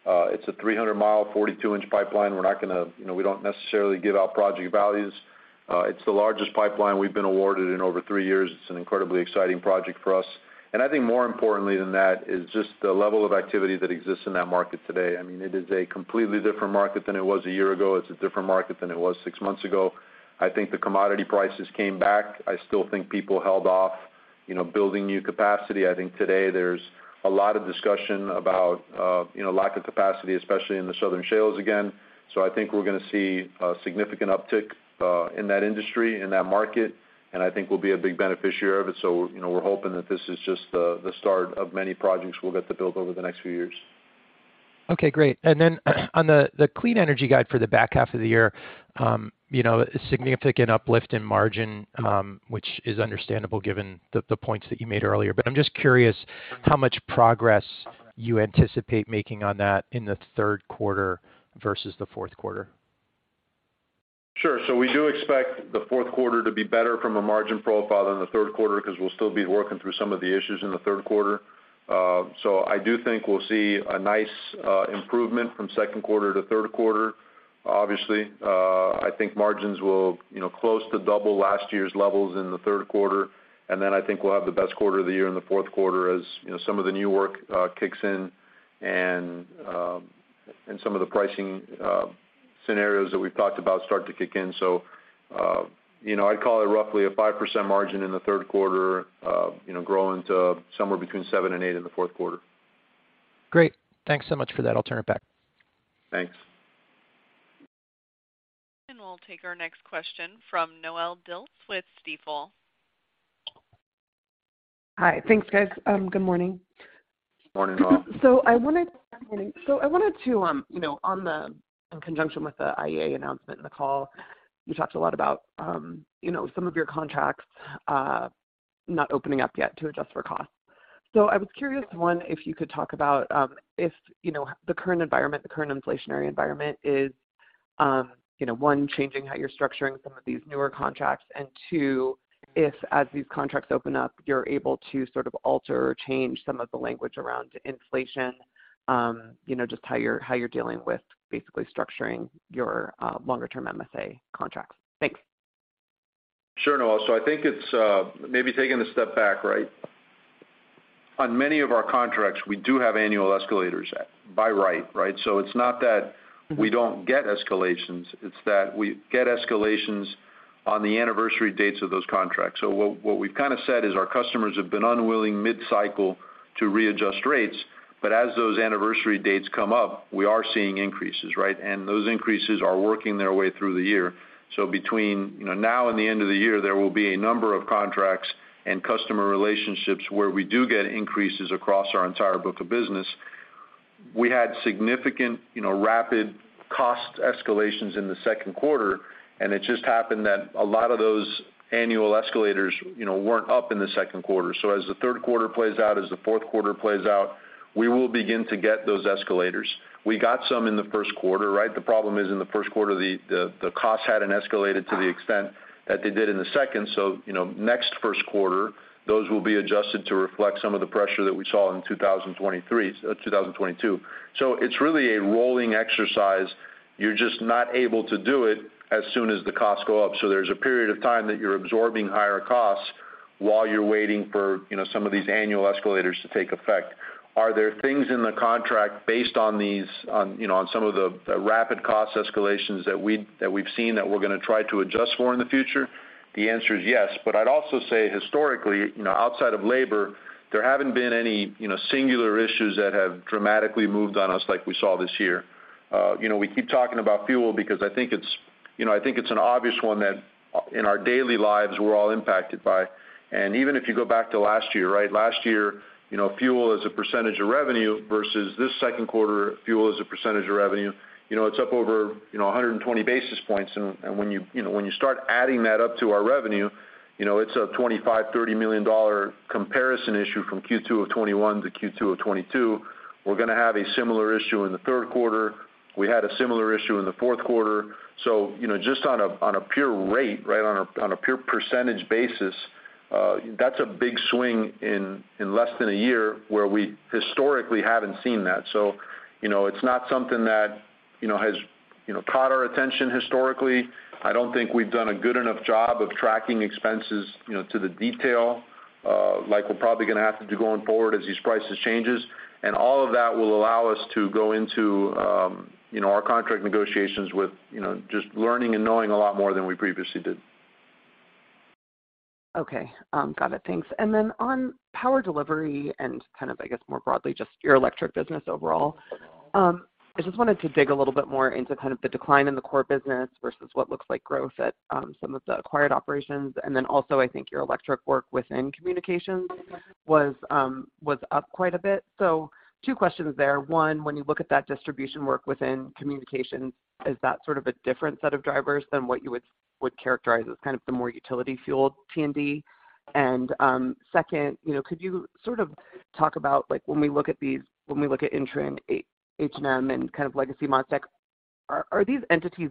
It's a 300 mi, 42 in. pipeline. We're not gonna, you know, we don't necessarily give out project values. It's the largest pipeline we've been awarded in over three years. It's an incredibly exciting project for us. I think more importantly than that is just the level of activity that exists in that market today. I mean, it is a completely different market than it was a year ago. It's a different market than it was six months ago. I think the commodity prices came back. I still think people held off, you know, building new capacity. I think today there's a lot of discussion about, you know, lack of capacity, especially in the southern shales again. I think we're gonna see a significant uptick in that industry, in that market, and I think we'll be a big beneficiary of it. You know, we're hoping that this is just the start of many projects we'll get to build over the next few years. Okay, great. On the clean energy guidance for the back half of the year, you know, a significant uplift in margin, which is understandable given the points that you made earlier. I'm just curious how much progress you anticipate making on that in the third quarter versus the fourth quarter. Sure. We do expect the fourth quarter to be better from a margin profile than the third quarter because we'll still be working through some of the issues in the third quarter. I do think we'll see a nice improvement from second quarter to third quarter. Obviously, I think margins will, you know, close to double last year's levels in the third quarter. Then I think we'll have the best quarter of the year in the fourth quarter as, you know, some of the new work kicks in and some of the pricing scenarios that we've talked about start to kick in. You know, I'd call it roughly a 5% margin in the third quarter, you know, growing to somewhere between 7% and 8% in the fourth quarter. Great. Thanks so much for that. I'll turn it back. Thanks. We'll take our next question from Noelle Dilts with Stifel. Hi. Thanks, guys. Good morning. Morning, Noelle. I wanted to, you know, in conjunction with the IEA announcement in the call, you talked a lot about, you know, some of your contracts not opening up yet to adjust for cost. I was curious, one, if you could talk about, if you know, the current environment, the current inflationary environment is, you know, one, changing how you're structuring some of these newer contracts. And two, if as these contracts open up, you're able to sort of alter or change some of the language around inflation, you know, just how you're dealing with basically structuring your longer term MSA contracts. Thanks. Sure, Noelle. I think it's maybe taking a step back, right? On many of our contracts, we do have annual escalators at CPI, right? It's not that we don't get escalations, it's that we get escalations on the anniversary dates of those contracts. What we've kind of said is our customers have been unwilling mid-cycle to readjust rates, but as those anniversary dates come up, we are seeing increases, right? Those increases are working their way through the year. Between, you know, now and the end of the year, there will be a number of contracts and customer relationships where we do get increases across our entire book of business. We had significant, you know, rapid cost escalations in the second quarter, and it just happened that a lot of those annual escalators, you know, weren't up in the second quarter. As the third quarter plays out, as the fourth quarter plays out, we will begin to get those escalators. We got some in the first quarter, right? The problem is, in the first quarter, the costs hadn't escalated to the extent that they did in the second. You know, next first quarter, those will be adjusted to reflect some of the pressure that we saw in 2023, 2022. It's really a rolling exercise. You're just not able to do it as soon as the costs go up. There's a period of time that you're absorbing higher costs while you're waiting for, you know, some of these annual escalators to take effect. Are there things in the contract based on these, you know, some of the rapid cost escalations that we've seen that we're gonna try to adjust for in the future? The answer is yes. I'd also say historically, you know, outside of labor, there haven't been any, you know, singular issues that have dramatically moved on us like we saw this year. You know, we keep talking about fuel because I think it's, you know, an obvious one that in our daily lives we're all impacted by. Even if you go back to last year, right? Last year, you know, fuel as a percentage of revenue versus this second quarter, fuel as a percentage of revenue, you know, it's up over, you know, 120 basis points. When you know, when you start adding that up to our revenue, you know, it's a $25 million-$30 million comparison issue from Q2 of 2021 to Q2 of 2022. We're gonna have a similar issue in the third quarter. We had a similar issue in the fourth quarter. You know, just on a pure rate, right, on a pure percentage basis, that's a big swing in less than a year where we historically haven't seen that. You know, it's not something that, you know, has caught our attention historically. I don't think we've done a good enough job of tracking expenses, you know, to the detail, like we're probably gonna have to do going forward as these price changes. All of that will allow us to go into, you know, our contract negotiations with, you know, just learning and knowing a lot more than we previously did. Okay. Got it. Thanks. On power delivery and kind of, I guess, more broadly, just your electric business overall, I just wanted to dig a little bit more into kind of the decline in the core business versus what looks like growth at, some of the acquired operations. Also I think your electric work within communications was up quite a bit. Two questions there. One, when you look at that distribution work within communications, is that sort of a different set of drivers than what you would characterize as kind of the more utility fueled T&D? Second, you know, could you sort of talk about like when we look at these, when we look at Intren, Henkels & McCoy and kind of legacy MasTec, are these entities,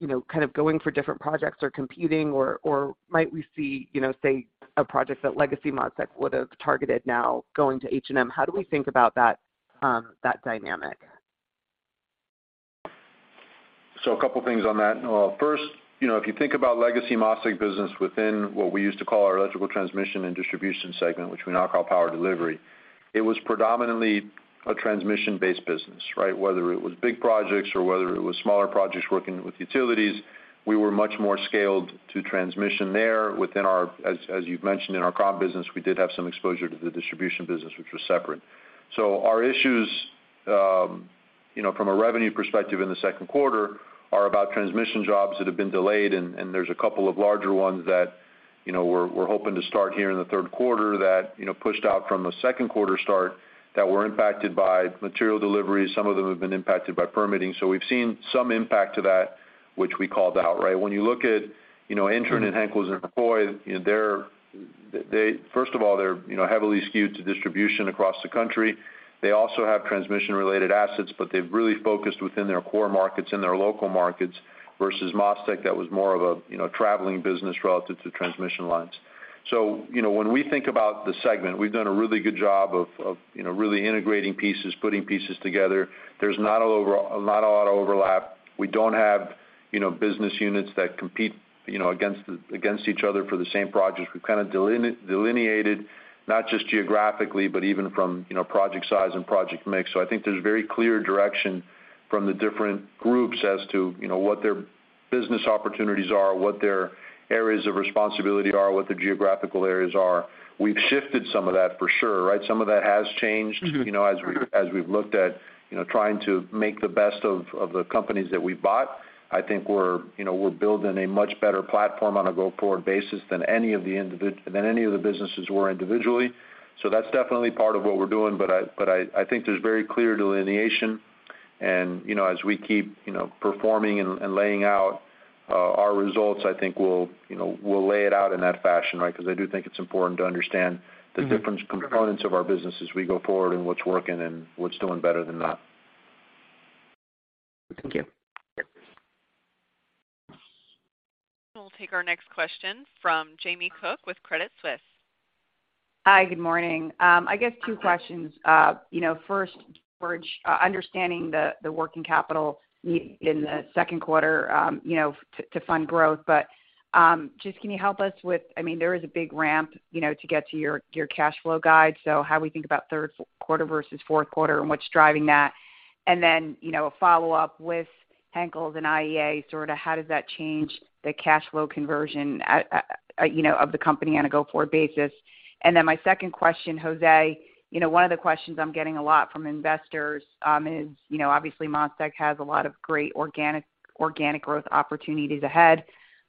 you know, kind of going for different projects or competing or might we see, you know, say a project that legacy MasTec would've targeted now going to Henkels & McCoy? How do we think about that dynamic? A couple things on that. First, you know, if you think about legacy MasTec business within what we used to call our Electrical Transmission and Distribution segment, which we now call power delivery, it was predominantly a transmission-based business, right? Whether it was big projects or whether it was smaller projects working with utilities, we were much more scaled to transmission there within our, as you've mentioned, in our comm business, we did have some exposure to the distribution business, which was separate. Our issues, you know, from a revenue perspective in the second quarter are about transmission jobs that have been delayed. There's a couple of larger ones that, you know, we're hoping to start here in the third quarter that, you know, pushed out from a second quarter start that were impacted by material deliveries. Some of them have been impacted by permitting. We've seen some impact to that, which we called out, right? When you look at, you know, Intren and Henkels & McCoy, you know, they're. First of all, they're, you know, heavily skewed to distribution across the country. They also have transmission-related assets, but they've really focused within their core markets, in their local markets versus MasTec, that was more of a, you know, traveling business relative to transmission lines. When we think about the segment, we've done a really good job of, you know, really integrating pieces, putting pieces together. There's not a lot of overlap. We don't have, you know, business units that compete, you know, against each other for the same projects. We've kind of delineated not just geographically, but even from, you know, project size and project mix. I think there's very clear direction from the different groups as to, you know, what their business opportunities are, what their areas of responsibility are, what the geographical areas are. We've shifted some of that for sure, right? Some of that has changed, you know, as we've looked at, you know, trying to make the best of the companies that we bought. I think we're building a much better platform on a go-forward basis than any of the businesses were individually. That's definitely part of what we're doing. I think there's very clear delineation. You know, as we keep, you know, performing and laying out our results, I think we'll, you know, lay it out in that fashion, right? Because I do think it's important to understand the different components of our business as we go forward and what's working and what's doing better than not. Thank you. Yeah. We'll take our next question from Jamie Cook with Credit Suisse. Hi. Good morning. I guess two questions. You know, first, George, understanding the working capital need in the second quarter, you know, to fund growth. Just can you help us with. I mean, there is a big ramp, you know, to get to your cash flow guide. How we think about third quarter versus fourth quarter and what's driving that? You know, a follow-up with Henkels and IEA, sort of how does that change the cash flow conversion, you know, of the company on a go-forward basis? My second question, José, you know, one of the questions I'm getting a lot from investors, is, you know, obviously, MasTec has a lot of great organic growth opportunities ahead,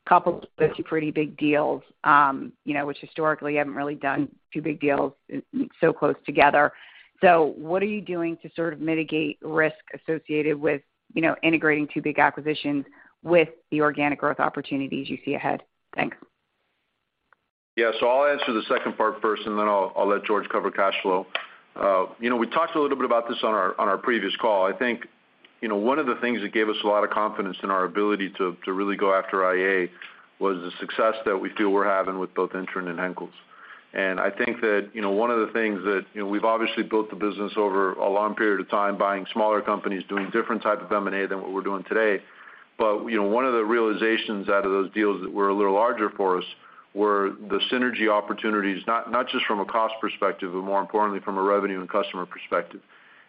coupled with two pretty big deals, you know, which historically you haven't really done two big deals so close together. What are you doing to sort of mitigate risk associated with, you know, integrating two big acquisitions with the organic growth opportunities you see ahead? Thanks. Yeah. I'll answer the second part first, and then I'll let George cover cash flow. You know, we talked a little bit about this on our previous call. I think, you know, one of the things that gave us a lot of confidence in our ability to really go after IEA was the success that we feel we're having with both Intren and Henkels & McCoy. I think that, you know, one of the things that, you know, we've obviously built the business over a long period of time buying smaller companies, doing different type of M&A than what we're doing today. You know, one of the realizations out of those deals that were a little larger for us were the synergy opportunities, not just from a cost perspective, but more importantly, from a revenue and customer perspective.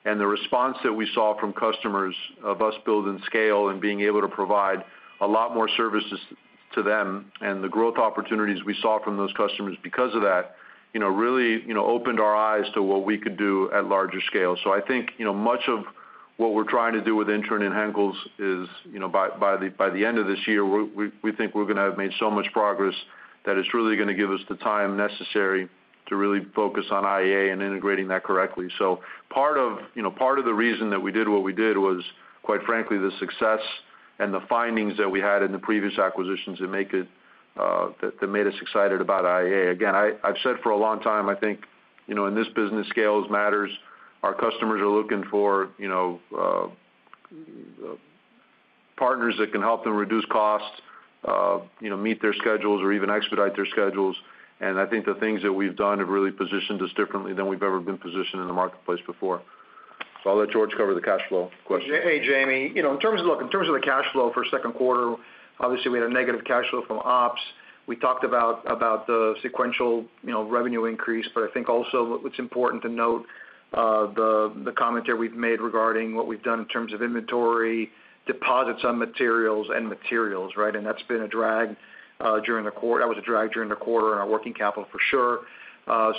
The response that we saw from customers of us building scale and being able to provide a lot more services to them and the growth opportunities we saw from those customers because of that, you know, really, you know, opened our eyes to what we could do at larger scale. I think, you know, much of what we're trying to do with Intren and Henkels is, you know, by the end of this year, we think we're gonna have made so much progress that it's really gonna give us the time necessary to really focus on IEA and integrating that correctly. Part of, you know, part of the reason that we did what we did was quite frankly, the success and the findings that we had in the previous acquisitions that made us excited about IEA. I've said for a long time, I think, you know, in this business scale matters. Our customers are looking for, you know, partners that can help them reduce costs, you know, meet their schedules or even expedite their schedules. I think the things that we've done have really positioned us differently than we've ever been positioned in the marketplace before. I'll let George cover the cash flow question. Hey, Jamie. You know, in terms of the cash flow for second quarter, obviously, we had a negative cash flow from ops. We talked about the sequential, you know, revenue increase. I think also what's important to note, the commentary we've made regarding what we've done in terms of inventory, deposits on materials and materials, right? And that's been a drag during the quarter in our working capital for sure.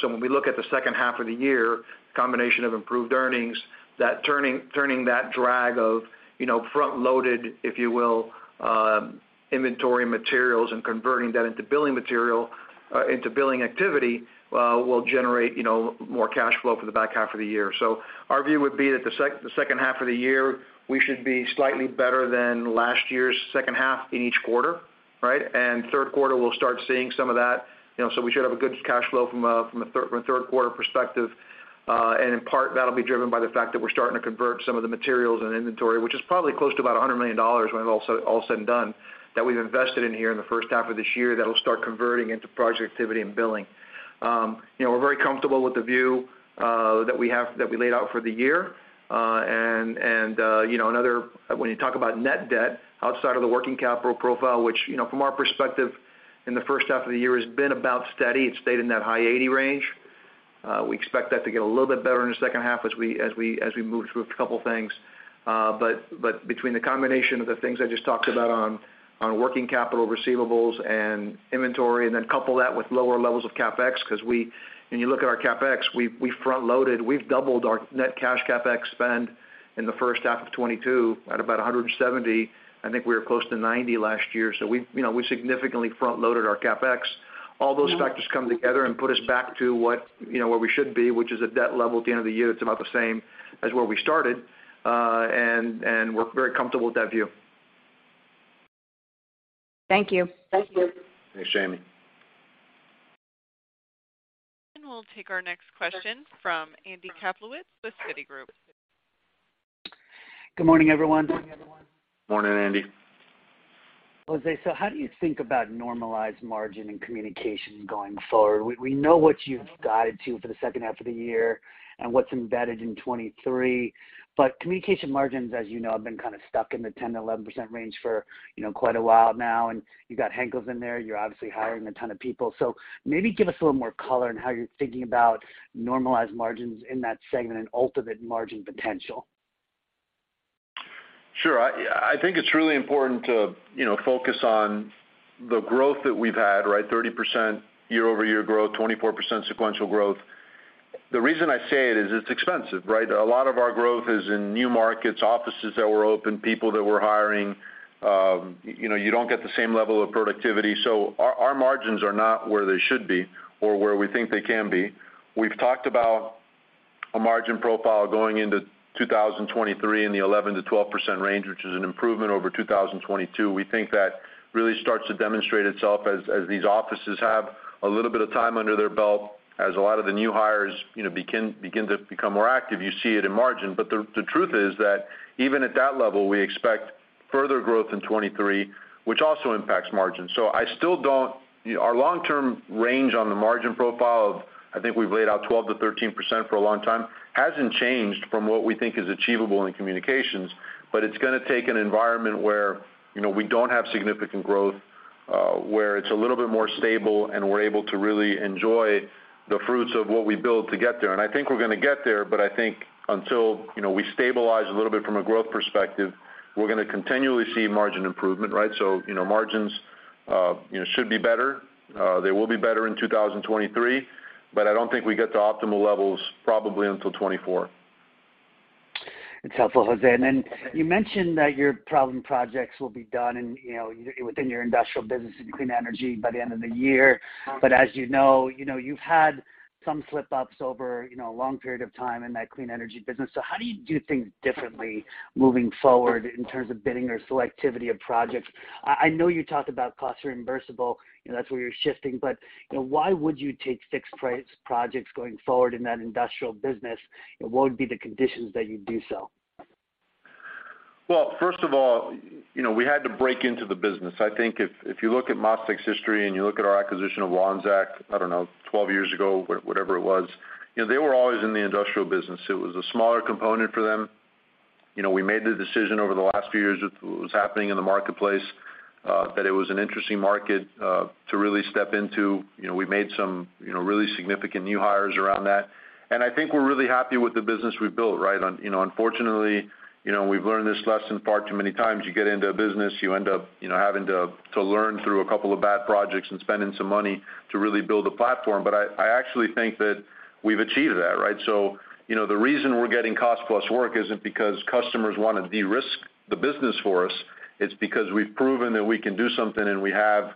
So when we look at the second half of the year, combination of improved earnings, that turning that drag of, you know, front-loaded, if you will, inventory materials and converting that into billing material into billing activity will generate, you know, more cash flow for the back half of the year. Our view would be that the second half of the year, we should be slightly better than last year's second half in each quarter, right? Third quarter, we'll start seeing some of that, you know, so we should have a good cash flow from a third quarter perspective. And in part, that'll be driven by the fact that we're starting to convert some of the materials and inventory, which is probably close to about $100 million when it's all said and done, that we've invested in here in the first half of this year that'll start converting into project activity and billing. You know, we're very comfortable with the view that we laid out for the year. You know, when you talk about net debt outside of the working capital profile, which, you know, from our perspective in the first half of the year has been about steady. It stayed in that high $80 million range. We expect that to get a little bit better in the second half as we move through a couple of things. Between the combination of the things I just talked about on working capital receivables and inventory, and then couple that with lower levels of CapEx, 'cause when you look at our CapEx, we front-loaded. We've doubled our net cash CapEx spend in the first half of 2022 at about $170 million. I think we were close to $90 million last year. You know, we significantly front-loaded our CapEx. All those factors come together and put us back to what, you know, where we should be, which is a debt level at the end of the year that's about the same as where we started, and we're very comfortable with that view. Thank you. Thank you. Thanks, Jamie. We'll take our next question from Andy Kaplowitz with Citigroup. Good morning, everyone. Morning, Andy. José, how do you think about normalized margin and communication going forward? We know what you've guided to for the second half of the year and what's embedded in 2023. Communication margins, as you know, have been kind of stuck in the 10%-11% range for, you know, quite a while now, and you've got Henkels & McCoy in there. You're obviously hiring a ton of people. Maybe give us a little more color on how you're thinking about normalized margins in that segment and ultimate margin potential? Sure. I think it's really important to, you know, focus on the growth that we've had, right? 30% year-over-year growth, 24% sequential growth. The reason I say it is it's expensive, right? A lot of our growth is in new markets, offices that were open, people that we're hiring. You know, you don't get the same level of productivity. Our margins are not where they should be or where we think they can be. We've talked about a margin profile going into 2023 in the 11%-12% range, which is an improvement over 2022. We think that really starts to demonstrate itself as these offices have a little bit of time under their belt, as a lot of the new hires, you know, begin to become more active, you see it in margin. The truth is that even at that level, we expect further growth in 2023, which also impacts margin. I still don't. Our long-term range on the margin profile of, I think we've laid out 12%-13% for a long time, hasn't changed from what we think is achievable in communications. It's gonna take an environment where, you know, we don't have significant growth, where it's a little bit more stable, and we're able to really enjoy the fruits of what we build to get there. I think we're gonna get there, but I think until, you know, we stabilize a little bit from a growth perspective, we're gonna continually see margin improvement, right? You know, margins should be better. They will be better in 2023, but I don't think we get to optimal levels probably until 2024. It's helpful, José. Then you mentioned that your problem projects will be done and, you know, within your industrial business in clean energy by the end of the year. As you know, you know, you've had some slipups over, you know, a long period of time in that clean energy business. How do you do things differently moving forward in terms of bidding or selectivity of projects? I know you talked about cost reimbursable, you know, that's where you're shifting, but, you know, why would you take fixed price projects going forward in that industrial business, and what would be the conditions that you'd do so? Well, first of all, you know, we had to break into the business. I think if you look at MasTec's history and you look at our acquisition of Wanzek, I don't know, 12 years ago, whatever it was, you know, they were always in the industrial business. It was a smaller component for them. You know, we made the decision over the last few years with what was happening in the marketplace that it was an interesting market to really step into. You know, we made some, you know, really significant new hires around that. I think we're really happy with the business we've built, right? Unfortunately, you know, we've learned this lesson far too many times. You get into a business, you end up, you know, having to learn through a couple of bad projects and spending some money to really build a platform. I actually think that we've achieved that, right? You know, the reason we're getting cost-plus work isn't because customers wanna de-risk the business for us, it's because we've proven that we can do something, and we have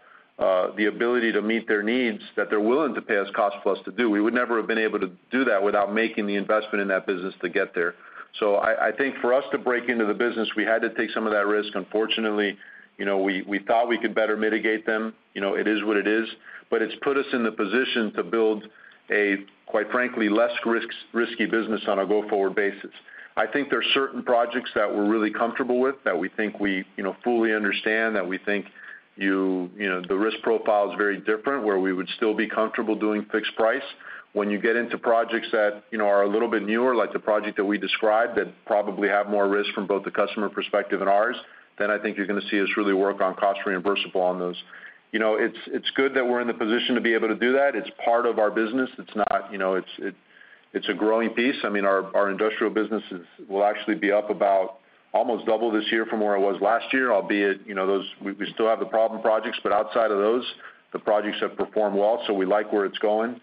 the ability to meet their needs that they're willing to pay us cost plus to do. We would never have been able to do that without making the investment in that business to get there. I think for us to break into the business, we had to take some of that risk. Unfortunately, you know, we thought we could better mitigate them. You know, it is what it is. It's put us in the position to build a, quite frankly, less risky business on a go-forward basis. I think there are certain projects that we're really comfortable with that we think we, you know, fully understand, that we think you know, the risk profile is very different, where we would still be comfortable doing fixed price. When you get into projects that, you know, are a little bit newer, like the project that we described, that probably have more risk from both the customer perspective and ours, then I think you're gonna see us really work on cost reimbursable on those. You know, it's good that we're in the position to be able to do that. It's part of our business. It's not, you know, it's a growing piece. I mean, our industrial business will actually be up about almost double this year from where it was last year, albeit, you know, those we still have the problem projects, but outside of those, the projects have performed well, so we like where it's going.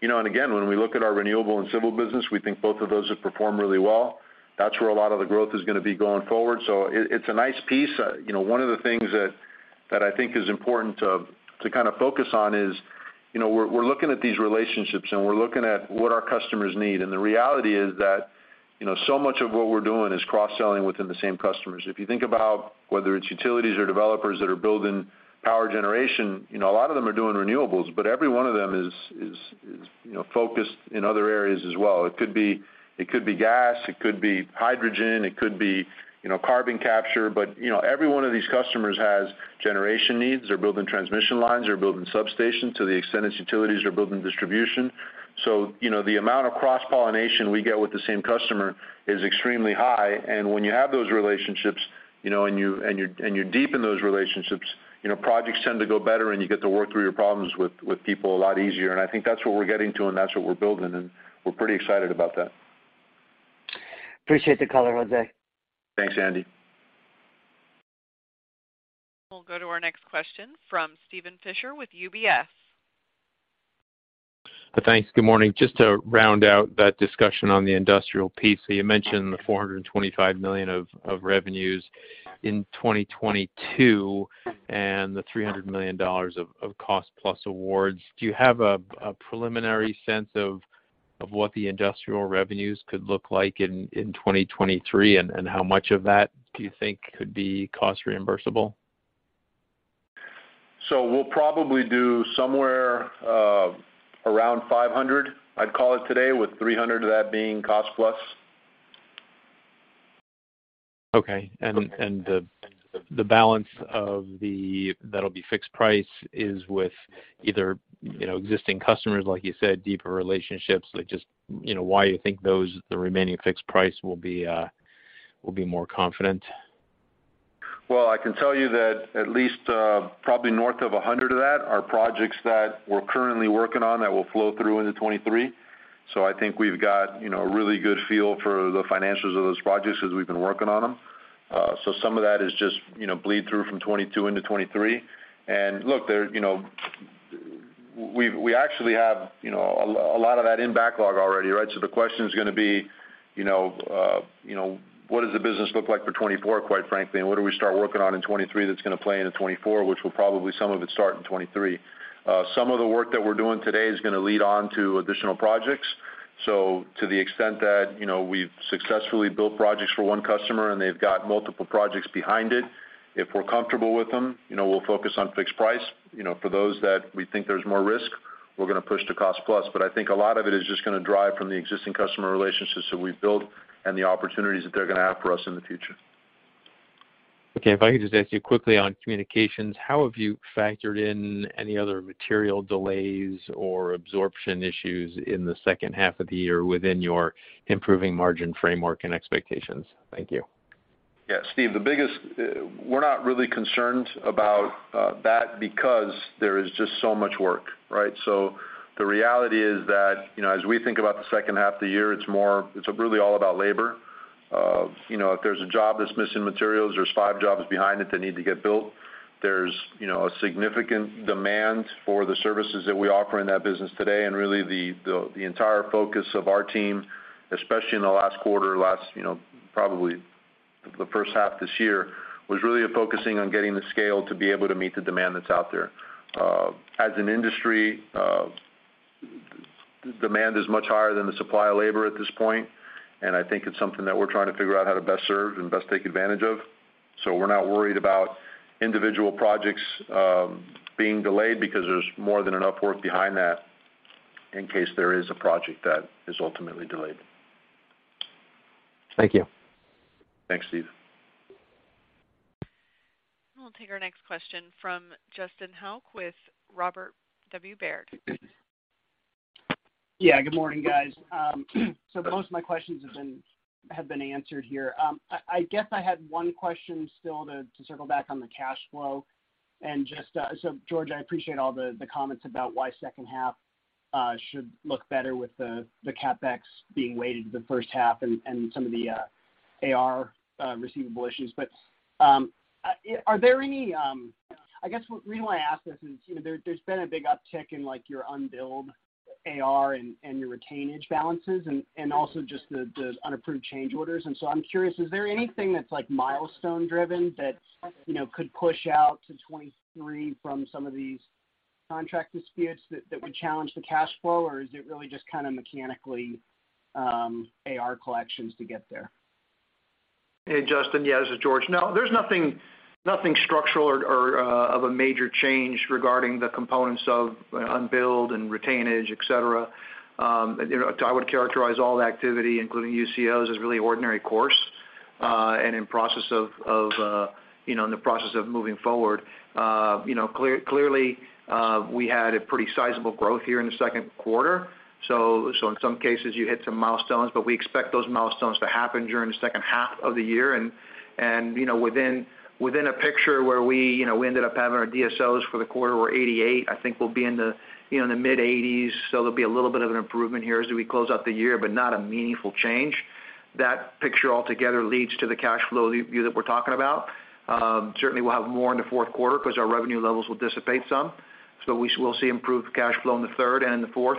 You know, again, when we look at our renewable and civil business, we think both of those have performed really well. That's where a lot of the growth is gonna be going forward. It's a nice piece. You know, one of the things that I think is important to kind of focus on is, you know, we're looking at these relationships, and we're looking at what our customers need. The reality is that, you know, so much of what we're doing is cross-selling within the same customers. If you think about whether it's utilities or developers that are building power generation, you know, a lot of them are doing renewables, but every one of them is, you know, focused in other areas as well. It could be gas, it could be hydrogen, it could be, you know, carbon capture. You know, every one of these customers has generation needs. They're building transmission lines. They're building substations. To the extent it's utilities, they're building distribution. You know, the amount of cross-pollination we get with the same customer is extremely high. When you have those relationships, you know, and you deepen those relationships, you know, projects tend to go better, and you get to work through your problems with people a lot easier. I think that's what we're getting to, and that's what we're building, and we're pretty excited about that. Appreciate the color, José. Thanks, Andy. We'll go to our next question from Steven Fisher with UBS. Thanks. Good morning. Just to round out that discussion on the industrial piece, you mentioned the $425 million of revenues in 2022 and the $300 million of cost-plus awards. Do you have a preliminary sense of what the industrial revenues could look like in 2023, and how much of that do you think could be cost reimbursable? We'll probably do somewhere around $500 million, I'd call it today, with $300 million of that being cost plus. Okay. The balance that'll be fixed price is with either, you know, existing customers, like you said, deeper relationships, like just, you know, why you think those remaining fixed price will be more confident? Well, I can tell you that at least probably north of 100 of that are projects that we're currently working on that will flow through into 2023. I think we've got, you know, a really good feel for the financials of those projects as we've been working on them. Some of that is just, you know, bleed through from 2022 into 2023. Look, they're, you know. We actually have, you know, a lot of that in backlog already, right? The question's gonna be, you know, you know, what does the business look like for 2024, quite frankly, and what do we start working on in 2023 that's gonna play into 2024, which will probably some of it start in 2023. Some of the work that we're doing today is gonna lead on to additional projects. To the extent that, you know, we've successfully built projects for one customer and they've got multiple projects behind it, if we're comfortable with them, you know, we'll focus on fixed price. You know, for those that we think there's more risk, we're gonna push to cost plus. I think a lot of it is just gonna drive from the existing customer relationships that we've built and the opportunities that they're gonna have for us in the future. Okay. If I could just ask you quickly on communications, how have you factored in any other material delays or absorption issues in the second half of the year within your improving margin framework and expectations? Thank you. Yeah, Steven, we're not really concerned about that because there is just so much work, right? The reality is that, you know, as we think about the second half of the year, it's more, it's really all about labor. You know, if there's a job that's missing materials, there's five jobs behind it that need to get built. There's, you know, a significant demand for the services that we offer in that business today, and really the entire focus of our team, especially in the last quarter, you know, probably the first half this year, was really focusing on getting the scale to be able to meet the demand that's out there. As an industry, demand is much higher than the supply of labor at this point, and I think it's something that we're trying to figure out how to best serve and best take advantage of. We're not worried about individual projects being delayed because there's more than enough work behind that in case there is a project that is ultimately delayed. Thank you. Thanks, Steven. We'll take our next question from Justin Hauke with Robert W. Baird. Yeah, good morning, guys. Most of my questions have been answered here. I guess I had one question still to circle back on the cash flow. Just, so George, I appreciate all the comments about why second half should look better with the CapEx being weighted to the first half and some of the AR receivable issues. Are there any? I guess, what the reason why I ask this is, you know, there's been a big uptick in like your unbilled AR and your retainage balances and also just the unapproved change orders. I'm curious, is there anything that's like milestone driven that, you know, could push out to 2023 from some of these contract disputes that would challenge the cash flow? Is it really just kind of mechanically AR collections to get there? Hey, Justin. Yeah, this is George. No, there's nothing structural or of a major change regarding the components of unbilled and retainage, et cetera. You know, I would characterize all the activity, including UCOs, as really ordinary course and in the process of moving forward. You know, clearly, we had a pretty sizable growth here in the second quarter. So in some cases you hit some milestones, but we expect those milestones to happen during the second half of the year. You know, within a picture where we, you know, we ended up having our DSOs for the quarter were 88. I think we'll be in the, you know, in the mid-80s, so there'll be a little bit of an improvement here as we close out the year, but not a meaningful change. That picture altogether leads to the cash flow view that we're talking about. Certainly we'll have more in the fourth quarter 'cause our revenue levels will dissipate some. We'll see improved cash flow in the third and in the fourth.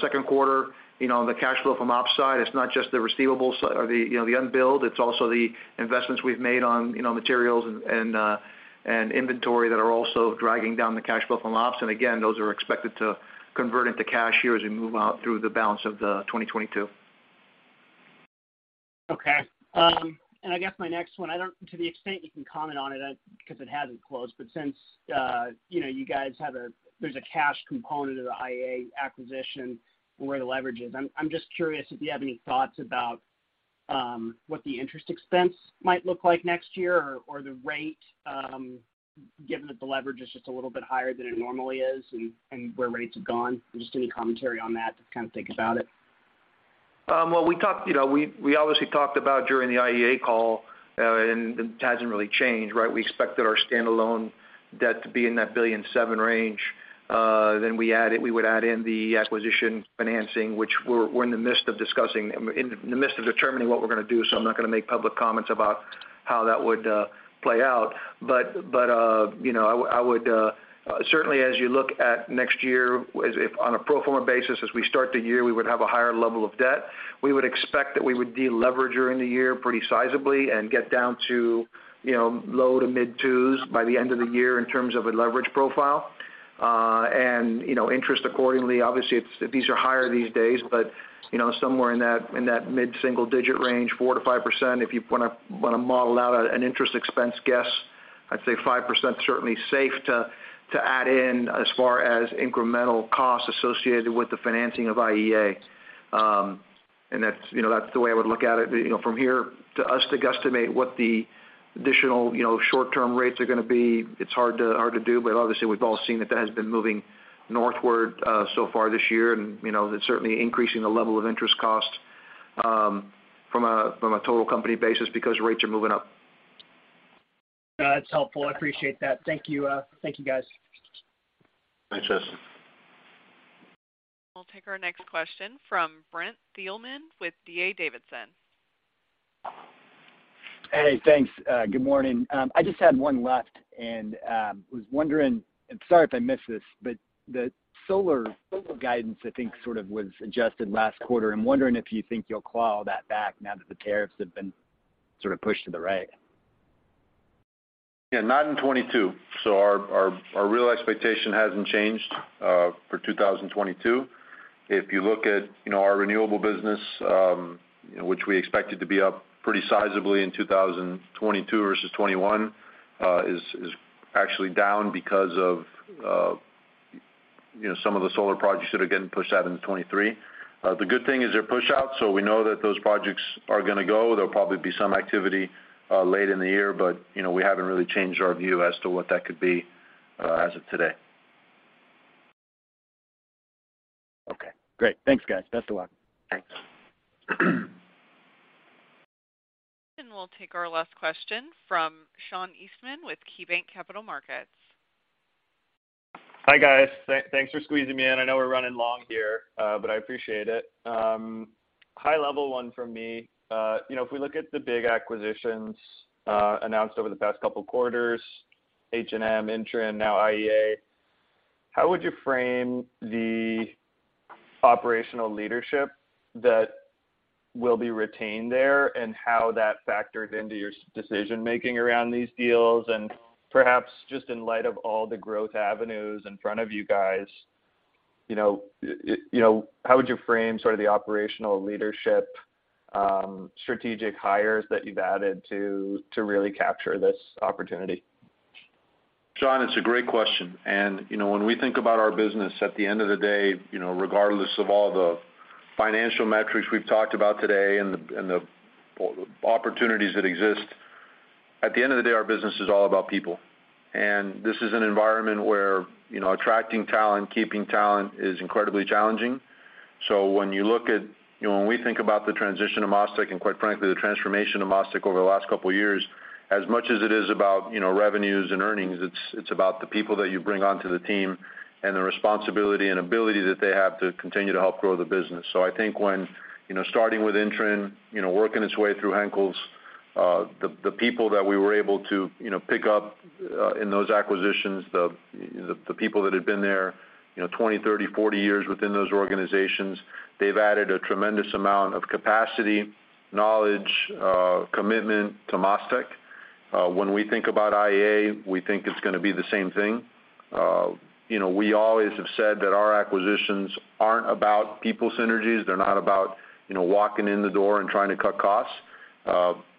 Second quarter, you know, the cash flow from ops side, it's not just the receivables or the, you know, the unbilled, it's also the investments we've made on, you know, materials and inventory that are also dragging down the cash flow from ops. Again, those are expected to convert into cash here as we move out through the balance of the 2022. Okay. I guess my next one, to the extent you can comment on it, 'cause it hasn't closed, but since, you know, there's a cash component of the IEA acquisition and where the leverage is, I'm just curious if you have any thoughts about what the interest expense might look like next year or the rate, given that the leverage is just a little bit higher than it normally is and where rates have gone, and just any commentary on that to kind of think about it. Well, we talked, you know, we obviously talked about during the IEA call, and it hasn't really changed, right? We expected our standalone debt to be in that $1.7 billion range. We would add in the acquisition financing, which we're in the midst of discussing, in the midst of determining what we're gonna do, so I'm not gonna make public comments about how that would play out. You know, I would certainly as you look at next year as if on a pro forma basis, as we start the year, we would have a higher level of debt. We would expect that we would de-leverage during the year pretty sizably and get down to, you know, low- to mid-twos by the end of the year in terms of a leverage profile. You know, interest accordingly, obviously, it's these are higher these days, but, you know, somewhere in that mid-single digit range, 4%-5%. If you wanna model out an interest expense guess, I'd say 5% certainly safe to add in as far as incremental costs associated with the financing of IEA. That's, you know, that's the way I would look at it. You know, from here for us to guesstimate what the additional, you know, short-term rates are gonna be, it's hard to do. But obviously we've all seen that has been moving northward, so far this year. You know, that's certainly increasing the level of interest costs from a total company basis because rates are moving up. That's helpful. I appreciate that. Thank you. Thank you, guys. Thanks, Justin. We'll take our next question from Brent Thielman with D.A. Davidson. Hey, thanks. Good morning. I just had one left and was wondering, sorry if I missed this, but the solar guidance I think sort of was adjusted last quarter. I'm wondering if you think you'll claw that back now that the tariffs have been sort of pushed to the right. Yeah, not in 2022. Our real expectation hasn't changed for 2022. If you look at, you know, our renewable business, which we expected to be up pretty sizably in 2022 versus 2021, is actually down because of, you know, some of the solar projects that are getting pushed out into 2023. The good thing is they're pushouts, so we know that those projects are gonna go. There'll probably be some activity late in the year, but, you know, we haven't really changed our view as to what that could be as of today. Great. Thanks, guys. Best of luck. Thanks. We'll take our last question from Sean Eastman with KeyBanc Capital Markets. Hi, guys. Thanks for squeezing me in. I know we're running long here, but I appreciate it. High level one from me. You know, if we look at the big acquisitions announced over the past couple quarters, Henkels & McCoy, Intren, now IEA, how would you frame the operational leadership that will be retained there and how that factors into your decision-making around these deals? Perhaps just in light of all the growth avenues in front of you guys, you know, how would you frame sort of the operational leadership, strategic hires that you've added to really capture this opportunity? Sean, it's a great question. You know, when we think about our business at the end of the day, you know, regardless of all the financial metrics we've talked about today and the opportunities that exist, at the end of the day, our business is all about people. This is an environment where, you know, attracting talent, keeping talent is incredibly challenging. You know, when we think about the transition of MasTec and quite frankly, the transformation of MasTec over the last couple of years, as much as it is about, you know, revenues and earnings, it's about the people that you bring onto the team and the responsibility and ability that they have to continue to help grow the business. I think when, you know, starting with Intren, you know, working its way through Henkels, the people that we were able to, you know, pick up in those acquisitions, the people that had been there, you know, 20, 30, 40 years within those organizations, they've added a tremendous amount of capacity, knowledge, commitment to MasTec. When we think about IEA, we think it's gonna be the same thing. You know, we always have said that our acquisitions aren't about people synergies. They're not about, you know, walking in the door and trying to cut costs.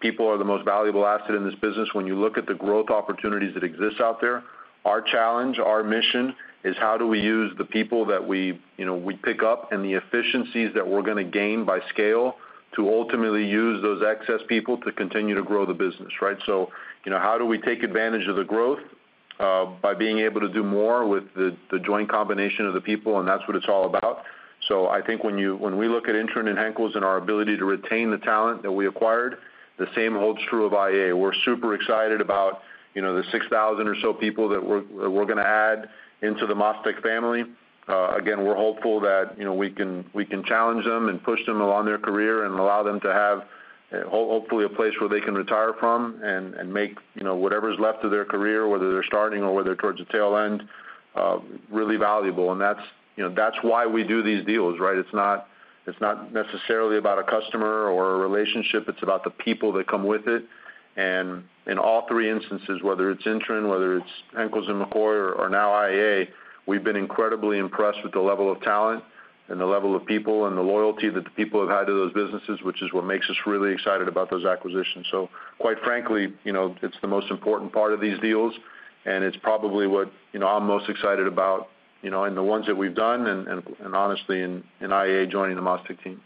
People are the most valuable asset in this business when you look at the growth opportunities that exist out there. Our challenge, our mission is how do we use the people that we, you know, we pick up and the efficiencies that we're gonna gain by scale to ultimately use those excess people to continue to grow the business, right? You know, how do we take advantage of the growth by being able to do more with the joint combination of the people, and that's what it's all about. I think when we look at Intren and Henkels and our ability to retain the talent that we acquired, the same holds true of IEA. We're super excited about, you know, the 6,000 or so people that we're gonna add into the MasTec family. Again, we're hopeful that, you know, we can challenge them and push them along their career and allow them to have hopefully a place where they can retire from and make, you know, whatever's left of their career, whether they're starting or whether towards the tail end, really valuable. That's, you know, that's why we do these deals, right? It's not necessarily about a customer or a relationship. It's about the people that come with it. In all three instances, whether it's Intren, whether it's Henkels & McCoy or now IEA, we've been incredibly impressed with the level of talent and the level of people and the loyalty that the people have had to those businesses, which is what makes us really excited about those acquisitions. Quite frankly, you know, it's the most important part of these deals, and it's probably what, you know, I'm most excited about, you know, in the ones that we've done and honestly in IEA joining the MasTec team.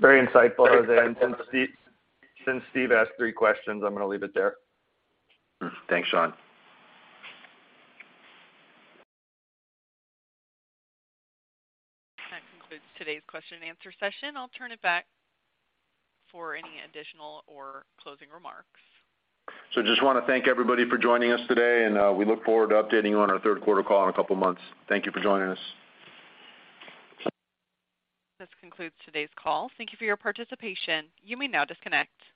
Very insightful, José. Since Steve asked three questions, I'm gonna leave it there. Thanks, Sean. That concludes today's question-and-answer session. I'll turn it back for any additional or closing remarks. Just wanna thank everybody for joining us today, and we look forward to updating you on our third quarter call in a couple of months. Thank you for joining us. This concludes today's call. Thank you for your participation. You may now disconnect.